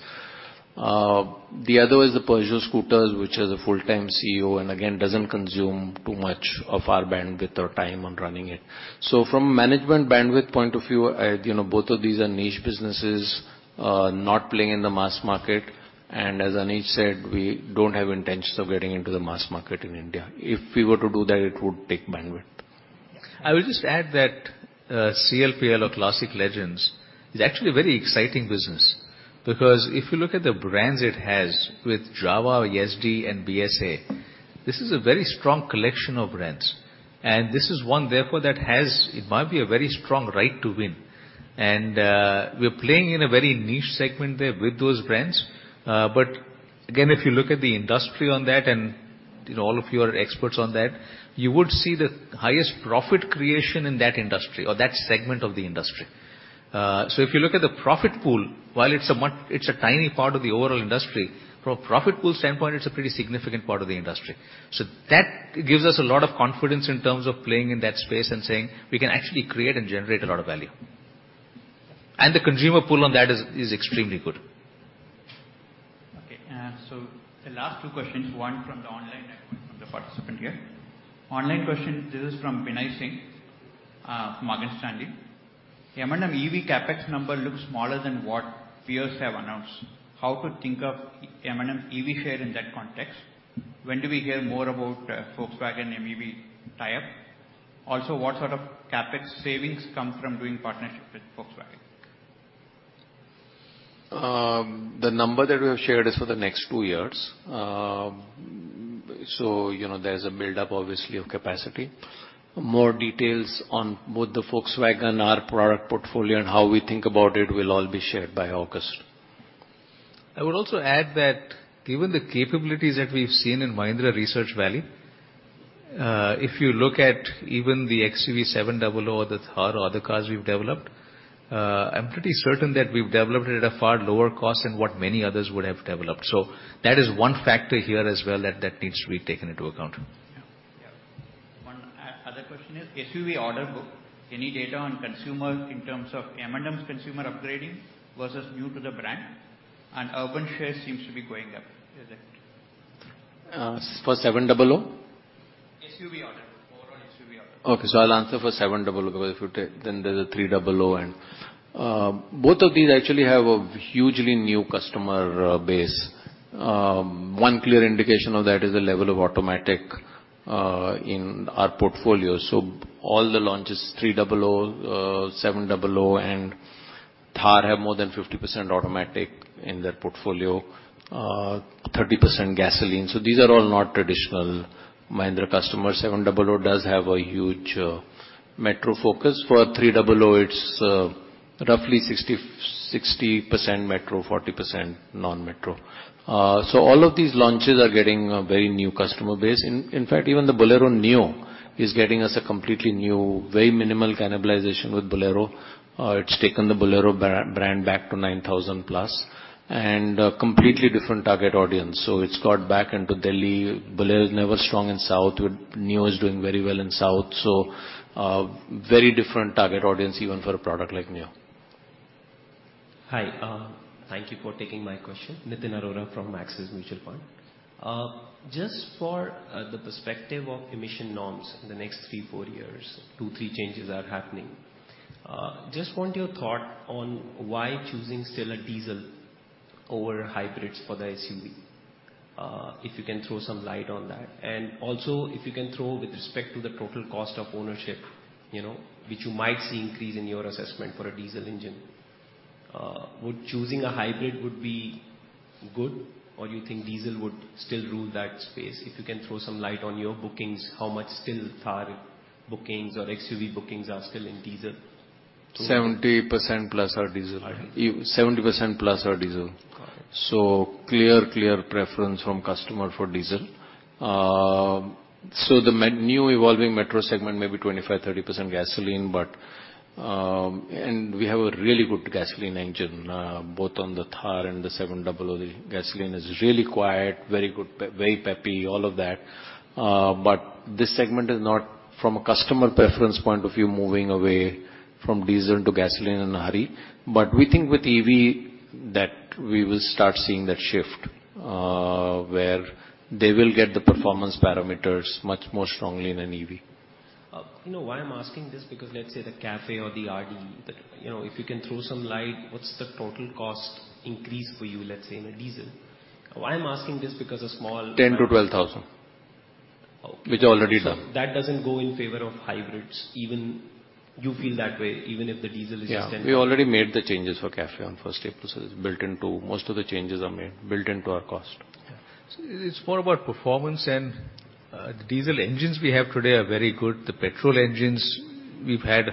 The other is the Peugeot scooters, which has a full-time CEO, and again, doesn't consume too much of our bandwidth or time on running it. From a management bandwidth point of view, you know, both of these are niche businesses, not playing in the mass market. As Anish said, we don't have intentions of getting into the mass market in India. If we were to do that, it would take bandwidth. I would just add that, CLPL or Classic Legends is actually a very exciting business. Because if you look at the brands it has with Jawa, Yezdi, and BSA, this is a very strong collection of brands, and this is one, therefore, that has. It might be a very strong right to win. We're playing in a very niche segment there with those brands. Again, if you look at the industry on that, and, you know, all of you are experts on that, you would see the highest profit creation in that industry or that segment of the industry. If you look at the profit pool, while it's a tiny part of the overall industry, from a profit pool standpoint, it's a pretty significant part of the industry. That gives us a lot of confidence in terms of playing in that space and saying we can actually create and generate a lot of value. The consumer pull on that is extremely good. Okay. The last two questions, one from the online and one from the participant here. Online question, this is from Vinay Singh from Morgan Stanley. M&M EV CapEx number looks smaller than what peers have announced. How to think of M&M EV share in that context? When do we hear more about Volkswagen MEB tie-up? Also, what sort of CapEx savings come from doing partnership with Volkswagen? The number that we have shared is for the next two years. You know, there's a buildup obviously of capacity. More details on both the Volkswagen, our product portfolio, and how we think about it will all be shared by August. I would also add that given the capabilities that we've seen in Mahindra Research Valley, if you look at even the XUV700 or the Thar or other cars we've developed, I'm pretty certain that we've developed it at a far lower cost than what many others would have developed. That is one factor here as well that needs to be taken into account. Question is SUV order book, any data on consumer in terms of M&M consumer upgrading versus new to the brand and urban share seems to be going up. Is that? Uh, for seven double O? SUV order book. Overall SUV order book. I'll answer for seven double O, because if you take then there's a three double O and both of these actually have a hugely new customer base. One clear indication of that is the level of automatic in our portfolio. All the launches, three double O, seven double O and Thar have more than 50% automatic in their portfolio, 30% gasoline. These are all not traditional Mahindra customers. Seven double O does have a huge metro focus. For three double O, it's roughly 60% metro, 40% non-metro. All of these launches are getting a very new customer base. In fact, even the Bolero Neo is getting us a completely new, very minimal cannibalization with Bolero. It's taken the Bolero brand back to 9,000+ and a completely different target audience, so it's got back into Delhi. Bolero is never strong in South. The Neo is doing very well in South. Very different target audience even for a product like Neo. Hi, thank you for taking my question. Nitin Arora from Axis Mutual Fund. Just for the perspective of emission norms in the next three, four years, two, three changes are happening. Just want your thought on why choosing still a diesel over hybrids for the SUV. If you can throw some light on that. If you can throw with respect to the total cost of ownership, you know, which you might see increase in your assessment for a diesel engine. Would choosing a hybrid be good, or you think diesel would still rule that space? If you can throw some light on your bookings, how much still Thar bookings or XUV bookings are still in diesel. 70%+ are diesel. I see. 70%+ are diesel. Got it. Clear preference from customer for diesel. The new evolving metro segment may be 25%-30% gasoline, and we have a really good gasoline engine both on the Thar and the XUV700. The gasoline is really quiet, very good, very peppy, all of that. This segment is not from a customer preference point of view moving away from diesel to gasoline in a hurry. We think with EV that we will start seeing that shift where they will get the performance parameters much more strongly in an EV. You know why I'm asking this? Because let's say the CAFE or the RDE, you know, if you can throw some light, what's the total cost increase for you, let's say in a diesel? Why I'm asking this because a small- 10,000-12,000. Okay. Which are already done. That doesn't go in favor of hybrids, even. You feel that way, even if the diesel is extended. We already made the changes for CAFE on first April, so it's built into our cost. Yeah. It's more about performance and the diesel engines we have today are very good. The petrol engines, we've had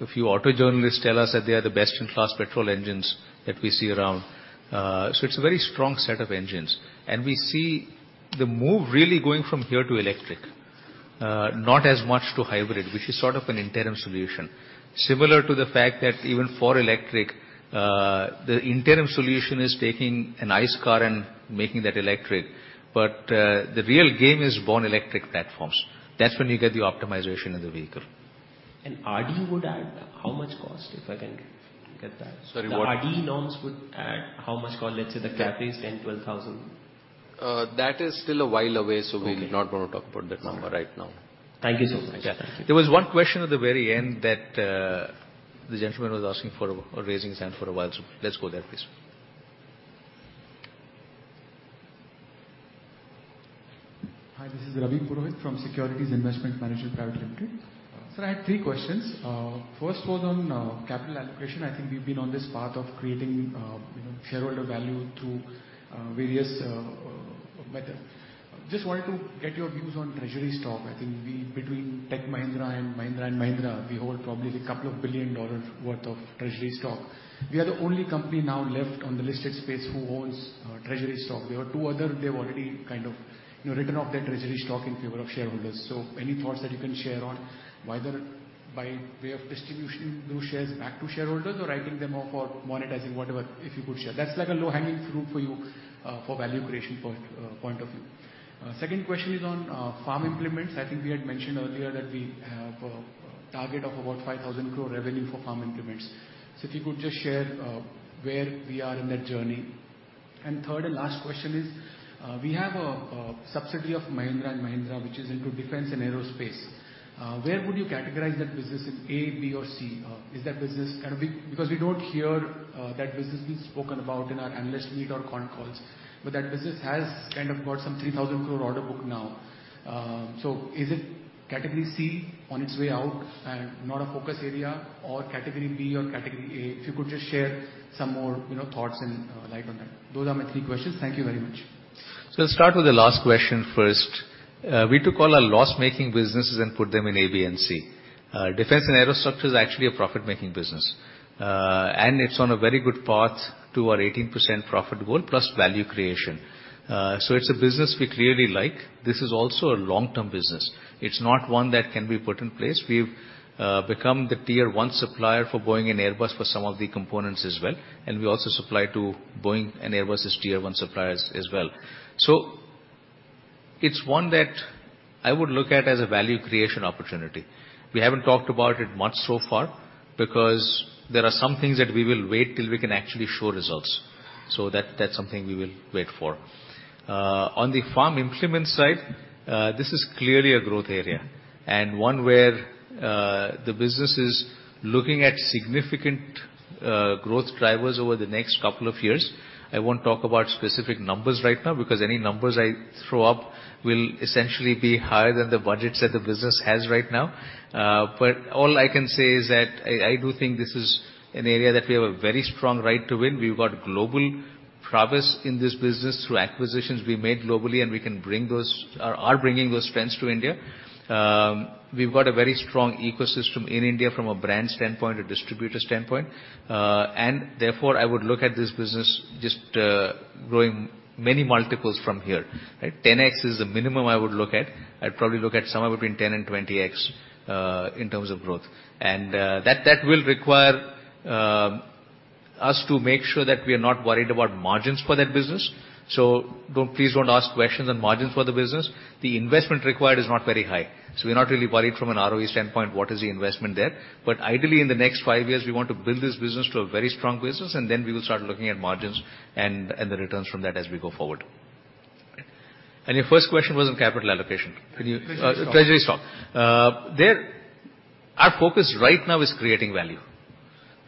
a few auto journalists tell us that they are the best in class petrol engines that we see around. It's a very strong set of engines. We see the move really going from here to electric, not as much to hybrid, which is sort of an interim solution. Similar to the fact that even for electric, the interim solution is taking a nice car and making that electric. The real game is Born Electric platforms. That's when you get the optimization in the vehicle. RDE would add how much cost, if I can get that? Sorry, what? The RDE norms would add how much cost? Let's say the CAFE is 10 thousand-12 thousand. That is still a while away, so we're not gonna talk about that number right now. Okay. Thank you so much. Yeah. There was one question at the very end that the gentleman was raising his hand for a while, so let's go there please. Hi, this is Ravi Purohit from Securities Investment Management Private Limited. Sir, I had three questions. First was on capital allocation. I think we've been on this path of creating, you know, shareholder value through various method. Just wanted to get your views on treasury stock. I think between Tech Mahindra and Mahindra & Mahindra, we hold probably $2 billion worth of treasury stock. We are the only company now left on the listed space who owns treasury stock. There are two other, they've already kind of, you know, written off their treasury stock in favor of shareholders. Any thoughts that you can share on whether by way of distribution, do shares back to shareholders or writing them off or monetizing, whatever, if you could share. That's like a low-hanging fruit for you, for value creation point of view. Second question is on farm implements. I think we had mentioned earlier that we have a target of about 5,000 crore revenue for farm implements. So if you could just share where we are in that journey. Third and last question is, we have a subsidiary of Mahindra & Mahindra, which is into defense and aerospace. Where would you categorize that business in A, B, or C? Is that business kind of, because we don't hear that business being spoken about in our analyst meet or con calls, but that business has kind of got some 3,000 crore order book now. So is it category C on its way out and not a focus area or category B or category A? If you could just share some more, you know, thoughts and light on that. Those are my three questions. Thank you very much. I'll start with the last question first. We took all our loss-making businesses and put them in A, B, and C. Defense and aerostructures is actually a profit-making business. It's on a very good path to our 18% profit goal plus value creation. It's a business we clearly like. This is also a long-term business. It's not one that can be put in place. We've become the Tier1 supplier for Boeing and Airbus for some of the components as well. We also supply to Boeing and Airbus' Tier 1 suppliers as well. It's one that I would look at as a value creation opportunity. We haven't talked about it much so far because there are some things that we will wait till we can actually show results. That's something we will wait for. On the farm implement side, this is clearly a growth area, and one where the business is looking at significant growth drivers over the next couple of years. I won't talk about specific numbers right now, because any numbers I throw up will essentially be higher than the budgets that the business has right now. But all I can say is that I do think this is an area that we have a very strong right to win. We've got global prowess in this business through acquisitions we made globally, and we can bring those. Are bringing those strengths to India. We've got a very strong ecosystem in India from a brand standpoint, a distributor standpoint. Therefore, I would look at this business just growing many multiples from here, right? 10x is the minimum I would look at. I'd probably look at somewhere between 10x and 20x in terms of growth. That will require us to make sure that we are not worried about margins for that business. Don't please don't ask questions on margins for the business. The investment required is not very high, so we're not really worried from an ROE standpoint, what is the investment there. Ideally, in the next five years, we want to build this business to a very strong business, and then we will start looking at margins and the returns from that as we go forward. Your first question was on capital allocation. Can you- Treasury stock. Treasury stock. There our focus right now is creating value,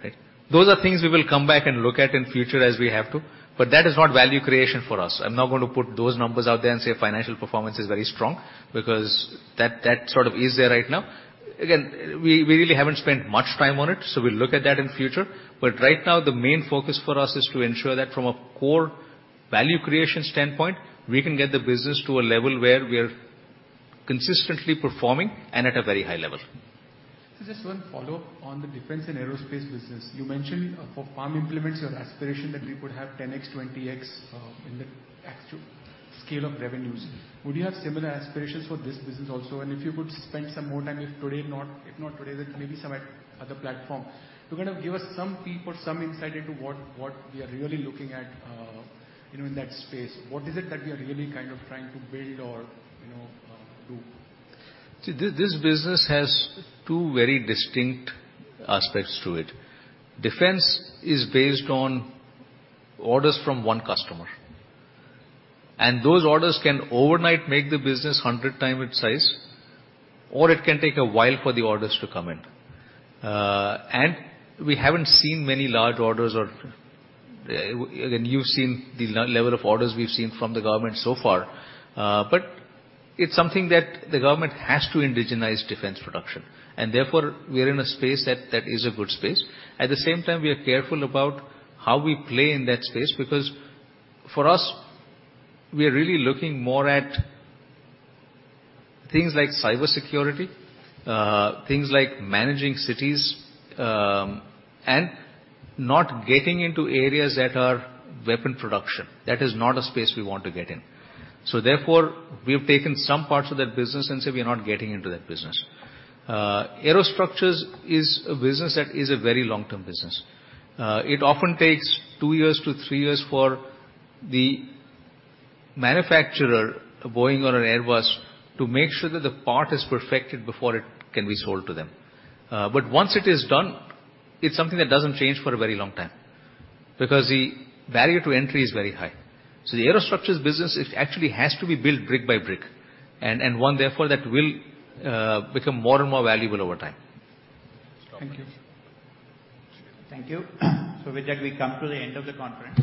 right? Those are things we will come back and look at in future as we have to, but that is not value creation for us. I'm not going to put those numbers out there and say financial performance is very strong because that sort of is there right now. Again, we really haven't spent much time on it, so we'll look at that in future. Right now, the main focus for us is to ensure that from a core value creation standpoint, we can get the business to a level where we are consistently performing and at a very high level. Just one follow-up on the defense and aerospace business. You mentioned for farm implements, your aspiration that we could have 10x, 20x in the actual scale of revenues. Would you have similar aspirations for this business also? If you could spend some more time, if not today, then maybe some at other platform. You're gonna give us some peek or some insight into what we are really looking at, you know, in that space. What is it that we are really kind of trying to build or, you know, do? See, this business has two very distinct aspects to it. Defense is based on orders from one customer, and those orders can overnight make the business a hundred times its size, or it can take a while for the orders to come in. We haven't seen many large orders. Again, you've seen the level of orders we've seen from the government so far. It's something that the government has to indigenize defense production, and therefore, we are in a space that is a good space. At the same time, we are careful about how we play in that space because for us, we are really looking more at things like cybersecurity, things like managing cities, and not getting into areas that are weapon production. That is not a space we want to get in. We have taken some parts of that business and say we are not getting into that business. Aerostructures is a business that is a very long-term business. It often takes two to three years for the manufacturer, a Boeing or an Airbus, to make sure that the part is perfected before it can be sold to them. Once it is done, it's something that doesn't change for a very long time because the barrier to entry is very high. The aerostructures business, it actually has to be built brick by brick and one therefore that will become more and more valuable over time. Thank you. Thank you. With that, we come to the end of the conference.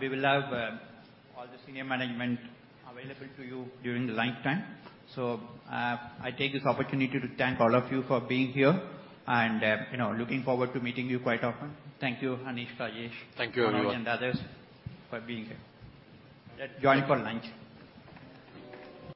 We will have all the senior management available to you during the lunchtime. I take this opportunity to thank all of you for being here and, you know, looking forward to meeting you quite often. Thank you, Anish, Rajesh. Thank you everyone. Manoj and others for being here. Let's join for lunch.